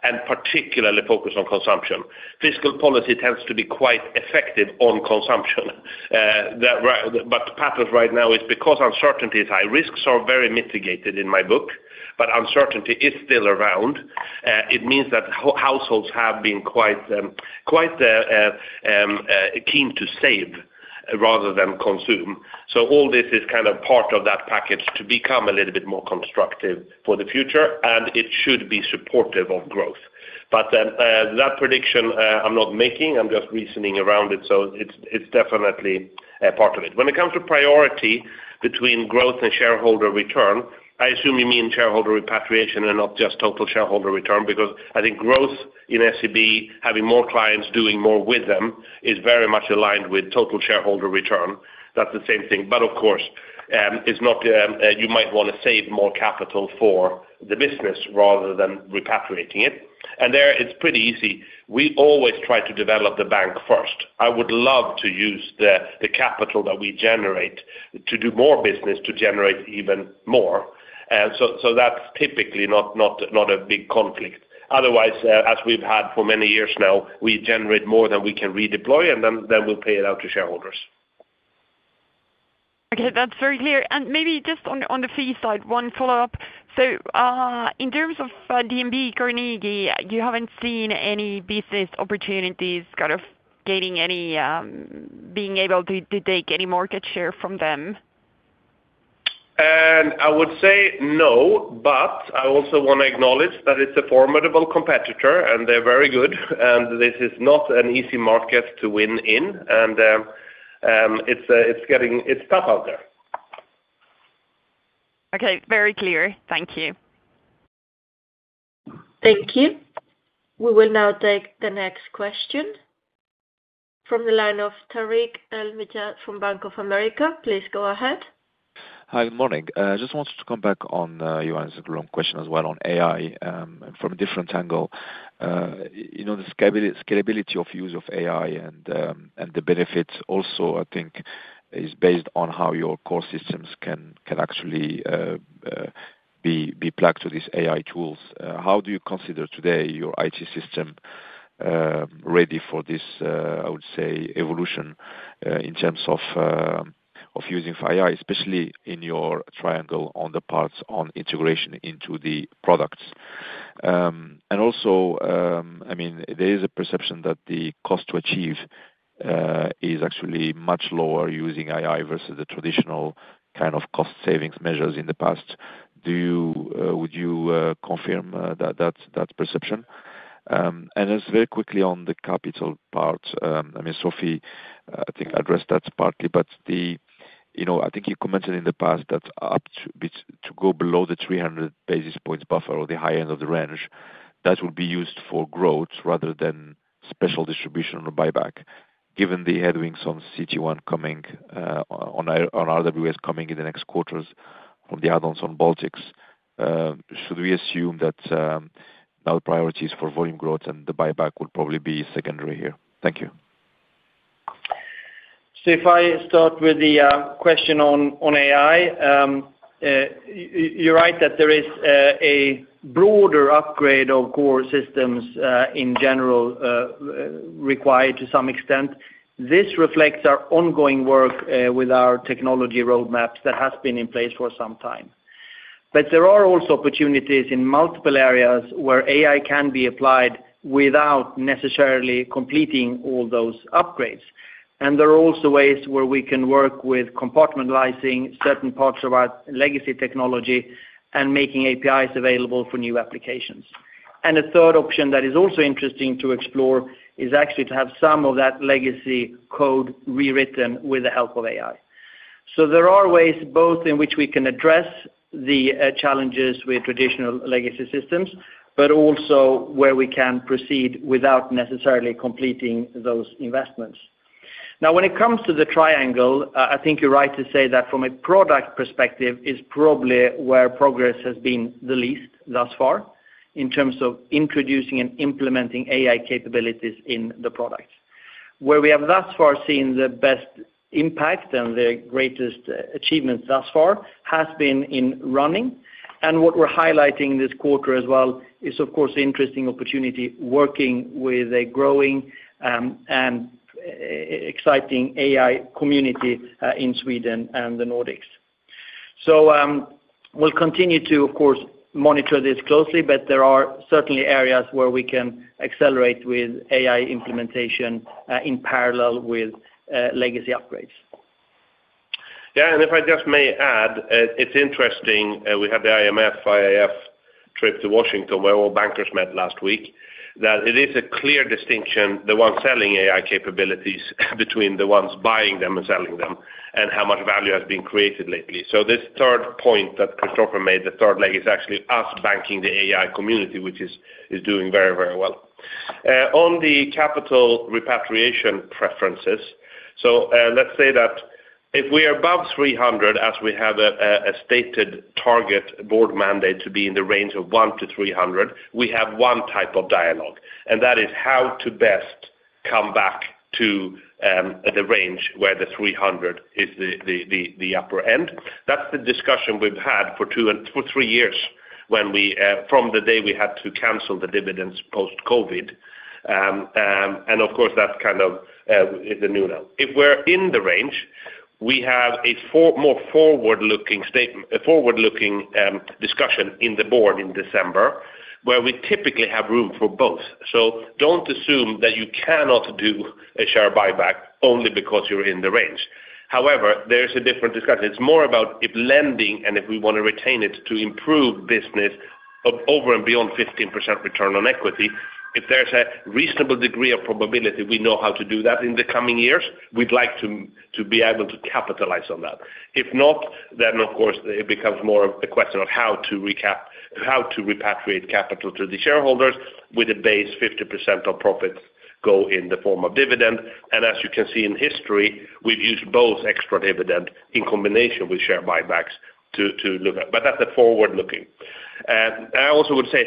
and particularly focus on consumption. Fiscal policy tends to be quite effective on consumption. The pattern right now is because uncertainty is high, risks are very mitigated in my book, but uncertainty is still around. It means that households have been quite keen to save rather than consume. All this is kind of part of that package to become a little bit more constructive for the future, and it should be supportive of growth. That prediction I'm not making, I'm just reasoning around it. It's definitely a part of it. When it comes to priority between growth and shareholder return, I assume you mean shareholder repatriation and not just total shareholder return because I think growth in SEB, having more clients, doing more with them, is very much aligned with total shareholder return. That's the same thing. Of course, you might want to save more capital for the business rather than repatriating it. There it's pretty easy. We always try to develop the bank first. I would love to use the capital that we generate to do more business to generate even more. That's typically not a big conflict. Otherwise, as we've had for many years now, we generate more than we can redeploy, and then we'll pay it out to shareholders.
Okay. That's very clear. Maybe just on the fee side, one follow-up. In terms of DNB Carnegie, you haven't seen any business opportunities gaining any, being able to take any market share from them?
No, I also want to acknowledge that it's a formidable competitor, and they're very good. This is not an easy market to win in, and it's getting tough out there.
Okay. Very clear. Thank you.
Thank you. We will now take the next question from the line of Tarik El Mejjad from Bank of America. Please go ahead.
Hi, good morning. I just wanted to come back on Johan's long question as well on AI from a different angle. You know, the scalability of use of AI and the benefits also, I think, is based on how your core systems can actually be plugged to these AI tools. How do you consider today your IT system ready for this, I would say, evolution in terms of using for AI, especially in your triangle on the parts on integration into the products? Also, I mean, there is a perception that the cost to achieve is actually much lower using AI versus the traditional kind of cost-savings measures in the past. Would you confirm that perception? Just very quickly on the capital part, Sophie, I think I addressed that partly, but I think you commented in the past that to go below the 300 basis points buffer or the high end of the range, that would be used for growth rather than special distribution on the buyback. Given the headwinds on CET1 coming on RWA coming in the next quarters from the add-ons on Baltics, should we assume that now the priority is for volume growth and the buyback would probably be secondary here? Thank you.
If I start with the question on AI, you're right that there is a broader upgrade of core systems in general required to some extent. This reflects our ongoing work with our technology roadmaps that have been in place for some time. There are also opportunities in multiple areas where AI can be applied without necessarily completing all those upgrades. There are also ways where we can work with compartmentalizing certain parts of our legacy technology and making APIs available for new applications. A third option that is also interesting to explore is actually to have some of that legacy code rewritten with the help of AI. There are ways both in which we can address the challenges with traditional legacy systems, but also where we can proceed without necessarily completing those investments. When it comes to the triangle, I think you're right to say that from a product perspective, it's probably where progress has been the least thus far in terms of introducing and implementing AI capabilities in the products. Where we have thus far seen the best impact and the greatest achievements thus far has been in running. What we're highlighting this quarter as well is, of course, the interesting opportunity working with a growing and exciting AI community in Sweden and the Nordics. We'll continue to, of course, monitor this closely, but there are certainly areas where we can accelerate with AI implementation in parallel with legacy upgrades.
Yeah, and if I just may add, it's interesting. We had the IMF, IIF trip to Washington where all bankers met last week, that it is a clear distinction, the ones selling AI capabilities between the ones buying them and selling them and how much value has been created lately. This third point that Cristoffer made, the third leg, is actually us banking the AI community, which is doing very, very well. On the capital repatriation preferences, let's say that if we are above 300, as we have a stated target board mandate to be in the range of 1-300, we have one type of dialogue. That is how to best come back to the range where the 300 is the upper end. That's the discussion we've had for three years from the day we had to cancel the dividends post-COVID. Of course, that kind of is the new now. If we're in the range, we have a more forward-looking discussion in the board in December where we typically have room for both. Don't assume that you cannot do a share buyback only because you're in the range. However, there is a different discussion. It's more about if lending and if we want to retain it to improve business of over and beyond 15% return on equity. If there's a reasonable degree of probability we know how to do that in the coming years, we'd like to be able to capitalize on that. If not, then, of course, it becomes more of a question of how to repatriate capital to the shareholders with a base 50% of profits go in the form of dividend. As you can see in history, we've used both extra dividends in combination with share buybacks to look at. That's the forward looking. I also would say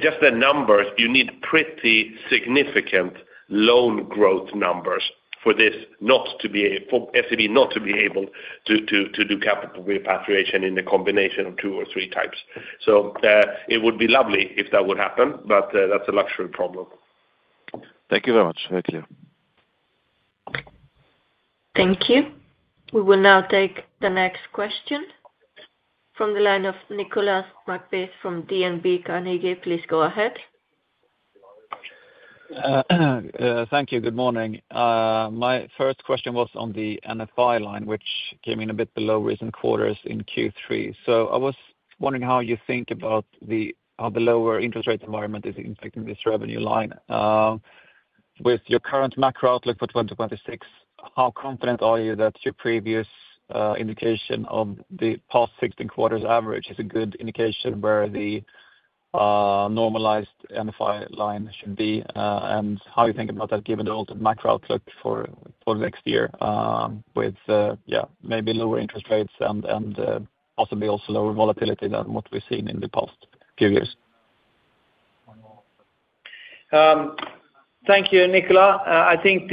just the numbers, you need pretty significant loan growth numbers for this not to be able for SEB not to be able to do capital repatriation in a combination of two or three types. It would be lovely if that would happen, but that's a luxury problem.
Thank you very much. Very clear.
Thank you. We will now take the next question from the line of Nicholas McBeath from DNB Carnegie. Please go ahead.
Thank you. Good morning. My first question was on the NFI line, which came in a bit below recent quarters in Q3. I was wondering how you think about how the lower interest rate environment is affecting this revenue line. With your current macro outlook for 2026, how confident are you that your previous indication of the past 16 quarters' average is a good indication where the normalized NFI line should be? How do you think about that given the ultimate macro outlook for the next year with, yeah, maybe lower interest rates and possibly also lower volatility than what we've seen in the past few years?
Thank you, Nicholas. I think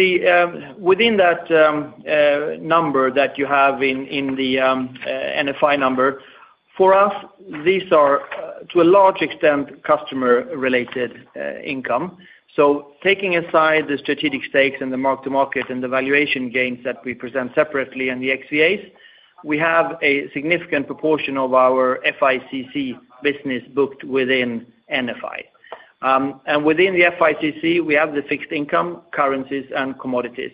within that number that you have in the NFI number, for us, these are to a large extent customer-related income. Taking aside the strategic stakes and the mark-to-market and the valuation gains that we present separately and the XVAs, we have a significant proportion of our FICC business booked within NFI. Within the FICC, we have the fixed income, currencies, and commodities.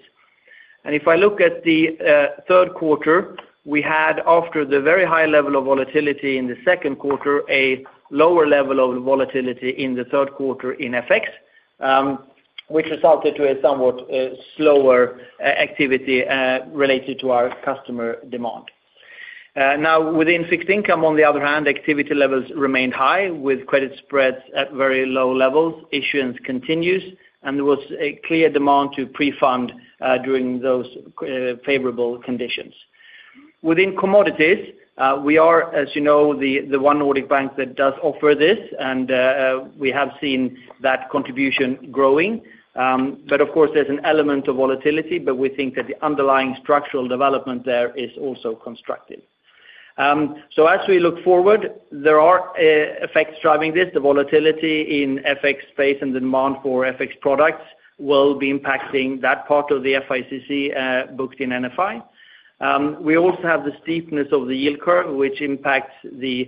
If I look at the third quarter, we had, after the very high level of volatility in the second quarter, a lower level of volatility in the third quarter in FX, which resulted in a somewhat slower activity related to our customer demand. Within fixed income, on the other hand, activity levels remained high with credit spreads at very low levels, issuance continues, and there was a clear demand to pre-fund during those favorable conditions. Within commodities, we are, as you know, the one Nordic bank that does offer this, and we have seen that contribution growing. There is an element of volatility, but we think that the underlying structural development there is also constructive. As we look forward, there are effects driving this. The volatility in FX space and the demand for FX products will be impacting that part of the FICC booked in NFI. We also have the steepness of the yield curve, which impacts the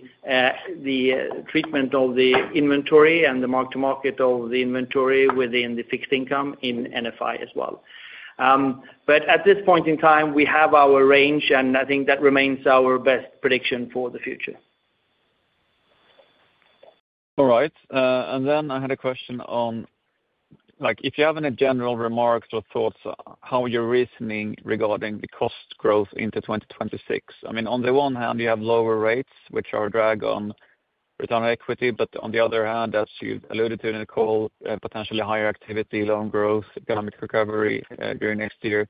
treatment of the inventory and the mark-to-market of the inventory within the fixed income in NFI as well. At this point in time, we have our range, and I think that remains our best prediction for the future.
All right. I had a question on if you have any general remarks or thoughts, how you're reasoning regarding the cost growth into 2026. I mean, on the one hand, you have lower rates, which are a drag on return on equity, but on the other hand, as you alluded to in the call, potentially higher activity, loan growth, economic recovery during next year.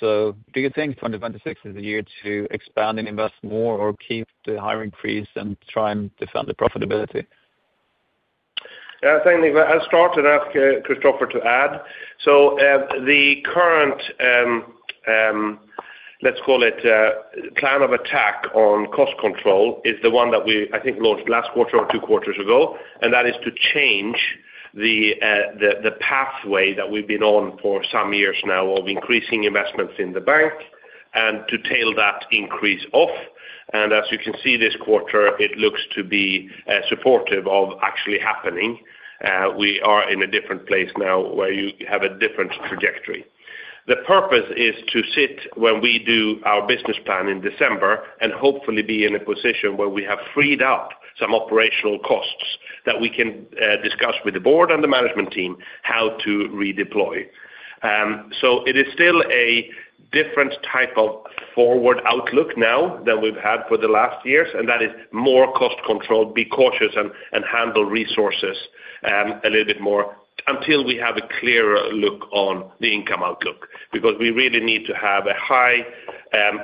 Do you think 2026 is the year to expand and invest more or keep the hiring freeze and try and defend the profitability?
Yeah, thank you, Nicola. I'll start and ask Cristoffer to add. The current, let's call it, plan of attack on cost control is the one that we, I think, launched last quarter or two quarters ago, and that is to change the pathway that we've been on for some years now of increasing investments in the bank and to tail that increase off. As you can see, this quarter, it looks to be supportive of actually happening. We are in a different place now where you have a different trajectory. The purpose is to sit when we do our business plan in December and hopefully be in a position where we have freed up some operational costs that we can discuss with the board and the management team how to redeploy. It is still a different type of forward outlook now than we've had for the last years, and that is more cost controlled, be cautious, and handle resources a little bit more until we have a clearer look on the income outlook because we really need to have a high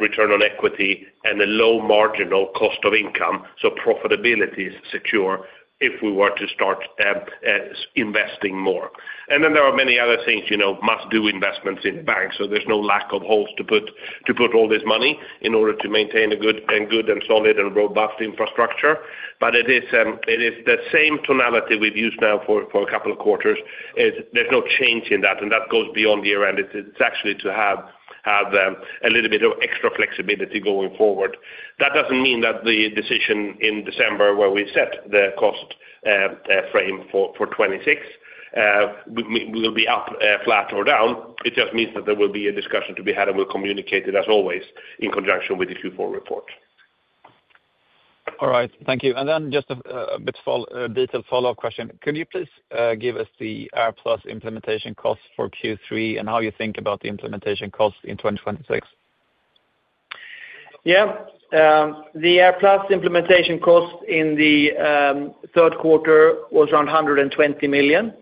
return on equity and a low marginal cost of income, so profitability is secure if we were to start investing more. There are many other things, you know, must-do investments in the bank. There's no lack of holes to put all this money in order to maintain a good and solid and robust infrastructure. It is the same tonality we've used now for a couple of quarters. There's no change in that, and that goes beyond the year-end. It's actually to have a little bit of extra flexibility going forward. That doesn't mean that the decision in December where we set the cost frame for 2026 will be up, flat, or down. It just means that there will be a discussion to be had, and we'll communicate it as always in conjunction with the Q4 report.
All right. Thank you. Just a bit of a follow-up question. Could you please give us the AirPlus implementation costs for Q3, and how you think about the implementation costs in 2026?
Yeah. The AirPlus implementation cost in the third quarter was around 120 million,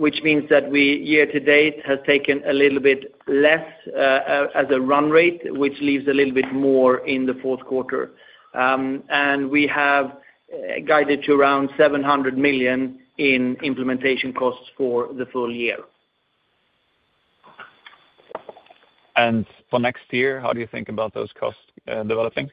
which means that we year to date have taken a little bit less as a run rate, which leaves a little bit more in the fourth quarter. We have guided to around 700 million in implementation costs for the full year.
For next year, how do you think about those costs developing?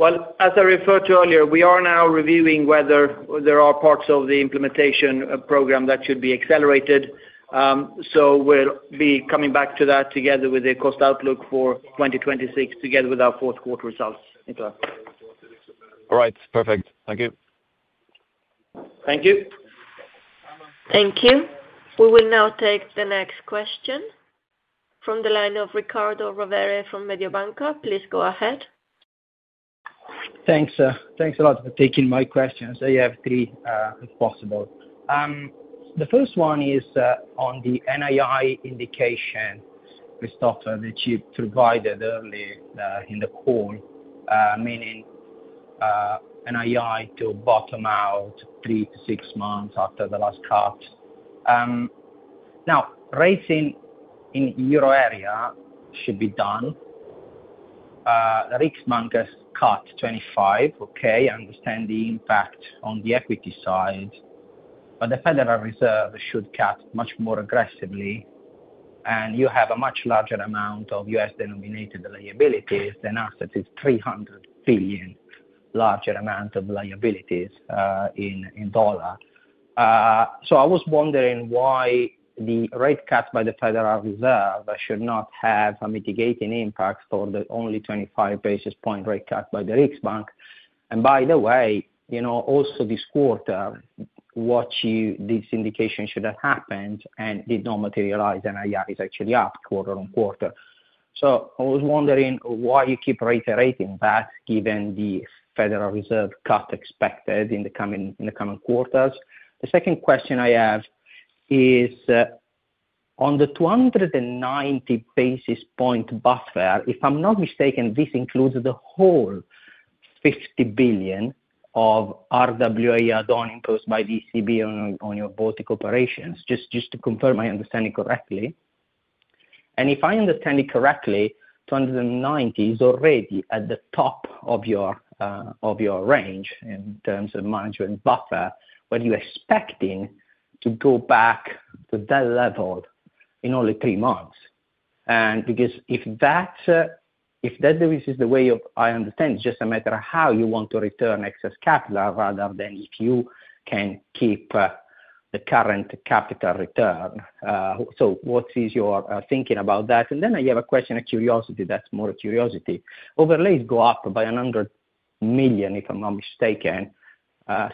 As I referred to earlier, we are now reviewing whether there are parts of the implementation program that should be accelerated. We'll be coming back to that together with the cost outlook for 2026, together with our fourth quarter results, Nicola.
All right. Perfect. Thank you.
Thank you.
Thank you. We will now take the next question from the line of Riccardo Rovere from Mediobanca. Please go ahead.
Thanks. Thanks a lot for taking my questions. I have three if possible. The first one is on the NII indication, Cristoffer, that you provided early in the call, meaning NII to bottom out three to six months after the last cuts. Now, raising in the euro area should be done. The Riksbank has cut 25%, okay, I understand the impact on the equity side. The Federal Reserve should cut much more aggressively. You have a much larger amount of U.S.-denominated liabilities than assets. It's 300 billion larger amount of liabilities in dollar. I was wondering why the rate cuts by the Federal Reserve should not have a mitigating impact for the only 25 basis points rate cut by the Riksbank. By the way, also this quarter, what you this indication should have happened and did not materialize, NII is actually up quarter on quarter. I was wondering why you keep reiterating that given the Federal Reserve cut expected in the coming quarters. The second question I have is on the 290 bps buffer. If I'm not mistaken, this includes the whole 50 billion of RWA add-on imposed by the ECB on your Baltic operations, just to confirm my understanding correctly. If I understand it correctly, 290 is already at the top of your range in terms of management buffer when you're expecting to go back to that level in only three months. If that is the way I understand, it's just a matter of how you want to return excess capital rather than if you can keep the current capital return. What is your thinking about that? I have a question of curiosity that's more of curiosity. Overlays go up by 100 million if I'm not mistaken.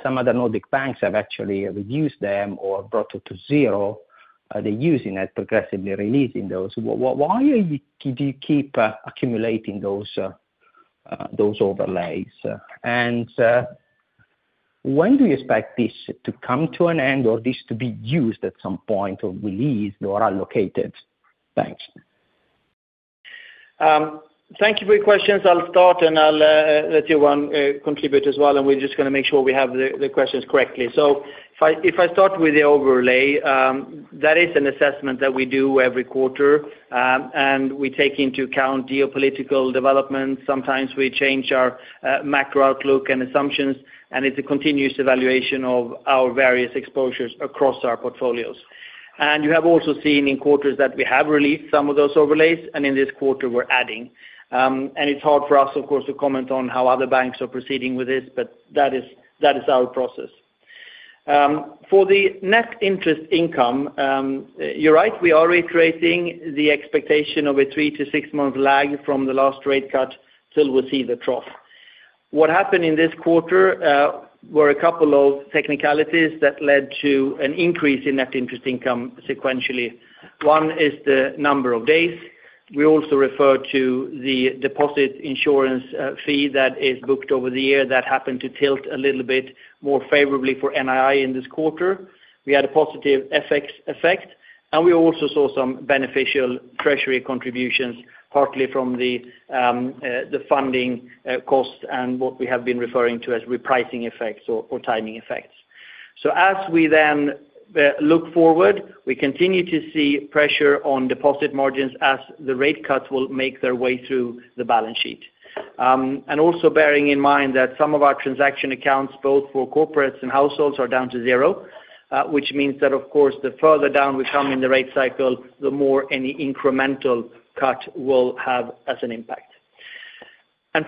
Some other Nordic banks have actually reduced them or brought it to zero. They're using it, progressively releasing those. Why do you keep accumulating those overlays? When do you expect this to come to an end or this to be used at some point or released or allocated? Thanks.
Thank you for your questions. I'll start and I'll let Johan contribute as well. We're just going to make sure we have the questions correctly. If I start with the overlay, that is an assessment that we do every quarter. We take into account geopolitical developments. Sometimes we change our macro outlook and assumptions. It's a continuous evaluation of our various exposures across our portfolios. You have also seen in quarters that we have released some of those overlays, and in this quarter, we're adding. It's hard for us, of course, to comment on how other banks are proceeding with this, but that is our process. For the net interest income, you're right. We are reiterating the expectation of a three to six-month lag from the last rate cut till we see the trough. What happened in this quarter were a couple of technicalities that led to an increase in net interest income sequentially. One is the number of days. We also refer to the deposit insurance fee that is booked over the year that happened to tilt a little bit more favorably for NII in this quarter. We had a positive FX effect. We also saw some beneficial treasury contributions, partly from the funding costs and what we have been referring to as repricing effects or timing effects. As we then look forward, we continue to see pressure on deposit margins as the rate cuts will make their way through the balance sheet. Also bearing in mind that some of our transaction accounts, both for corporates and households, are down to zero, which means that, of course, the further down we come in the rate cycle, the more any incremental cut will have as an impact.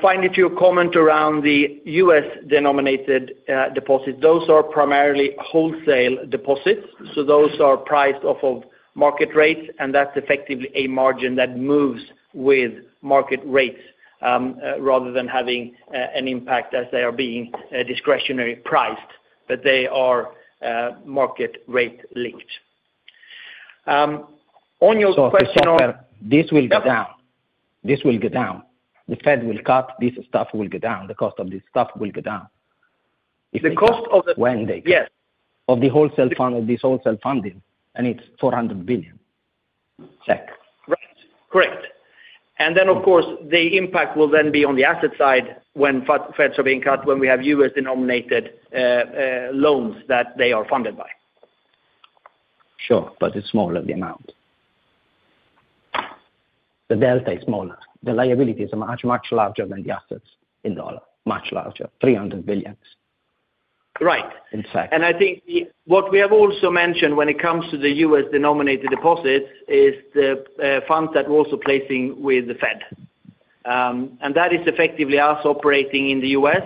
Finally, to your comment around the U.S.-denominated deposits, those are primarily wholesale deposits. Those are priced off of market rates, and that's effectively a margin that moves with market rates, rather than having an impact as they are being discretionary priced. They are market-rate linked. On your question on...
This will go down. This will go down. The Fed will cut this stuff, this will go down. The cost of this stuff will go down. share buyback program is progressing as planned.
Yes.
Of this wholesale funding, and it's 400 billion.
Right. Correct. Of course, the impact will then be on the asset side when rates are being cut, when we have U.S.-denominated loans that they are funded by.
Sure. It's smaller than that. The delta is smaller. The liabilities are much, much larger than the assets in dollars. Much larger 300 billion.
Right. What we have also mentioned when it comes to the U.S.-denominated deposits is the funds that we're also placing with the Fed. That is effectively us operating in the U.S.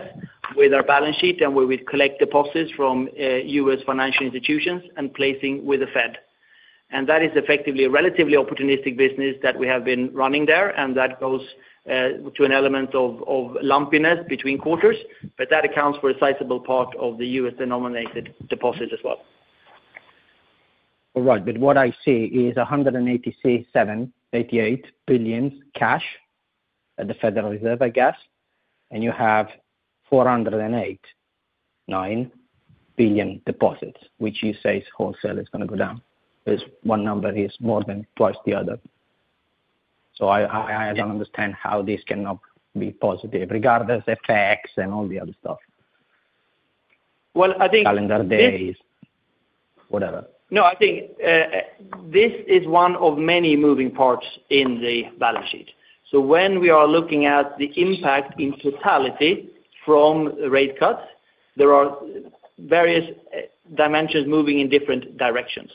with our balance sheet, and we would collect deposits from U.S. financial institutions and place them with the Fed. That is effectively a relatively opportunistic business that we have been running there, and that goes to an element of lumpiness between quarters, but that accounts for a sizable part of the U.S.-denominated deposits as well.
All right. What I see is $187.88 billion cash at the Federal Reserve, I guess, and you have $408.9 billion deposits, which you say is wholesale, is going to go down. There's one number here is more than twice the other. I don't understand how this cannot be positive, regardless of FX and all the other stuff Calendar days, whatever.
No, I think this is one of many moving parts in the balance sheet. When we are looking at the impact in totality from the rate cuts, there are various dimensions moving in different directions.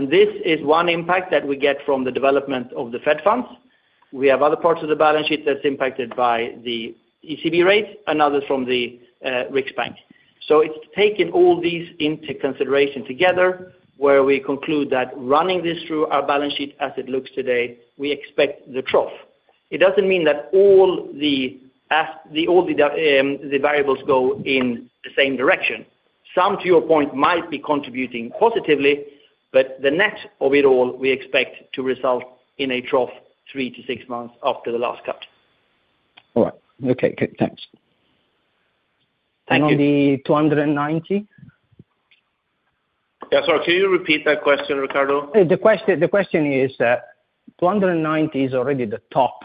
This is one impact that we get from the development of the Fed funds. We have other parts of the balance sheet that's impacted by the ECB rates and others from the Riksbank. It is taking all these into consideration together, where we conclude that running this through our balance sheet as it looks today, we expect the trough. It doesn't mean that all the variables go in the same direction. Some, to your point, might be contributing positively, but the net of it all, we expect to result in a trough three to six months after the last cut.
All right. Okay, good. Thanks.
Thank you.
The 290.
Sorry, can you repeat that question, Riccardo?
The question is 290 is already the top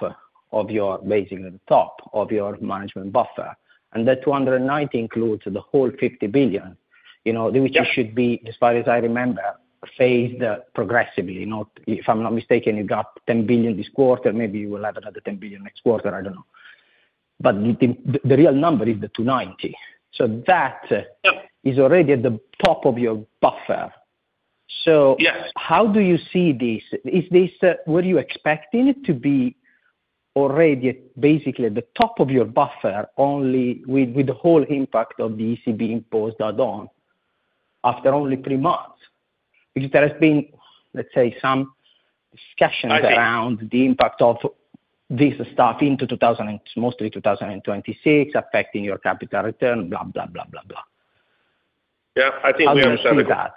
of your, basically, the top of your management buffer, and that 290 basis points includes the whole 50 billion, you know, which should be, as far as I remember, phased progressively. If I'm not mistaken, you got 10 billion this quarter. Maybe you will have another 10 billion next quarter. I don't know. The real number is the 290 basis points. That is already at the top of your buffer. How do you see this? Is this where you're expecting it to be, already basically at the top of your buffer only with the whole impact of the ECB imposed add-on after only three months? There has been, let's say, some discussion around the impact of this stuff into mostly 2026, affecting your capital return, blah, blah, blah, blah, blah.
Yeah, I think we understand that.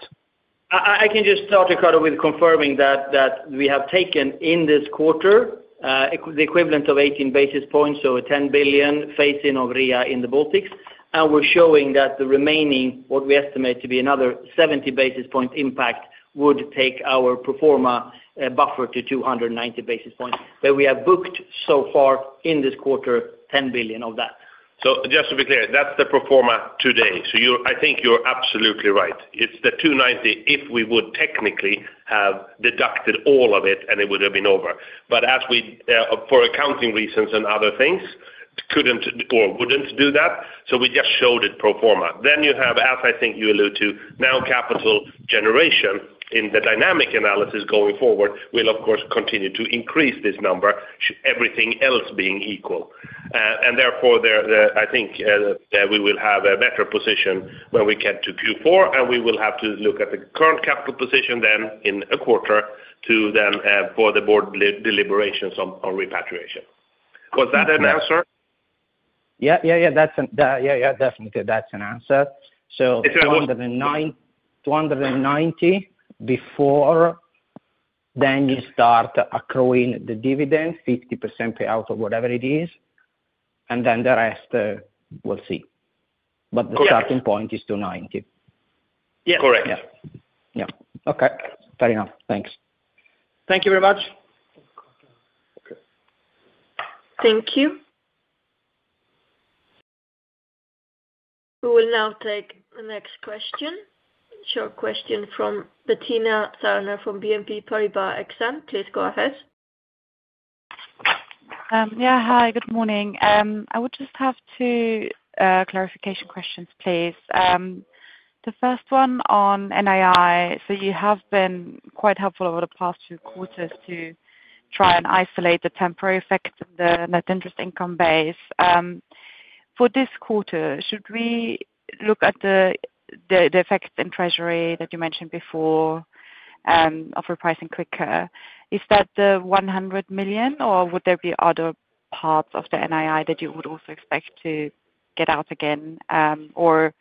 I can just start, Riccardo, with confirming that we have taken in this quarter the equivalent of 18 basis points, so a 10 billion phase-in of RWA in the Baltics, and we're showing that the remaining, what we estimate to be another 70 basis point impact, would take our pro forma buffer to 290 basis points, where we have booked so far in this quarter 10 billion of that.
Just to be clear, that's the pro forma today. I think you're absolutely right. It's the 290 basis points if we would technically have deducted all of it, and it would have been over. As we, for accounting reasons and other things, couldn't or wouldn't do that, we just showed it pro forma. You have, as I think you alluded to, now capital generation in the dynamic analysis going forward will, of course, continue to increase this number, everything else being equal. Therefore, I think that we will have a better position when we get to Q4, and we will have to look at the current capital position then in a quarter to then for the board deliberations on repatriation. Was that an answer?
Yeah. Definitely, that's an answer. 290 basis points before you start accruing the dividend, 50% payout or whatever it is, and the rest we'll see. The starting point is 290 basis points.
Yeah.
Correct.
Yeah, yeah. Okay, fair enough. Thanks.
Thank you very much.
Thank you. We will now take the next question. It's your question from Bettina Thurner from BNP Paribas Exane. Please go ahead.
Yeah. Hi. Good morning. I would just have two clarification questions, please. The first one on NII. You have been quite helpful over the past few quarters to try and isolate the temporary effect in the net interest income base. For this quarter, should we look at the effect in treasury that you mentioned before of repricing quicker? Is that the 100 million, or would there be other parts of the NII that you would also expect to get out again or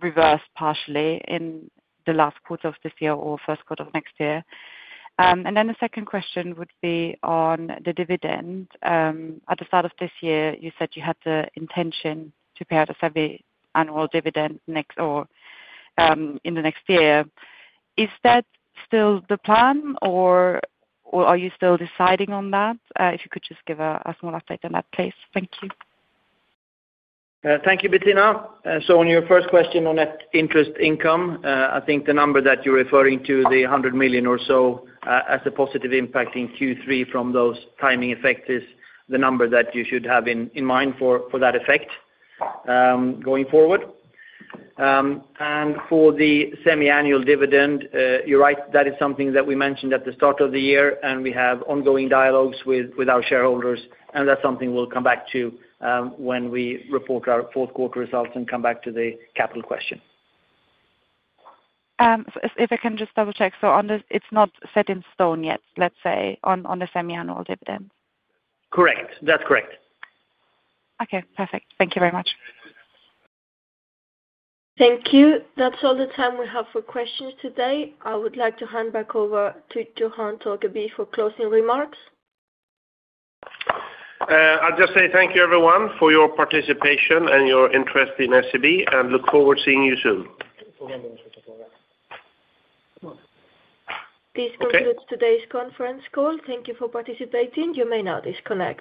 reverse partially in the last quarter of this year or first quarter of next year? The second question would be on the dividend. At the start of this year, you said you had the intention to pay out a seven-annual dividend next or in the next year. Is that still the plan, or are you still deciding on that? If you could just give a small update on that, please. Thank you.
Thank you, Bettina. On your first question on net interest income, I think the number that you're referring to the 100 million or so as a positive impact in Q3 from those timing effects, is the number that you should have in mind for that effect going forward. For the semiannual dividend, you're right. That is something that we mentioned at the start of the year, and we have ongoing dialogues with our shareholders. That's something we'll come back to when we report our fourth quarter results and come back to the capital question.
If I can just double-check, it's not set in stone yet, let's say, on the semiannual dividend?
Correct. That's correct.
Okay, perfect. Thank you very much.
Thank you. That's all the time we have for questions today. I would like to hand back over to Johan Torgeby for closing remarks.
I'll just say thank you, everyone, for your participation and your interest in SEB, and look forward to seeing you soon.
This concludes today's conference call. Thank you for participating. You may now disconnect.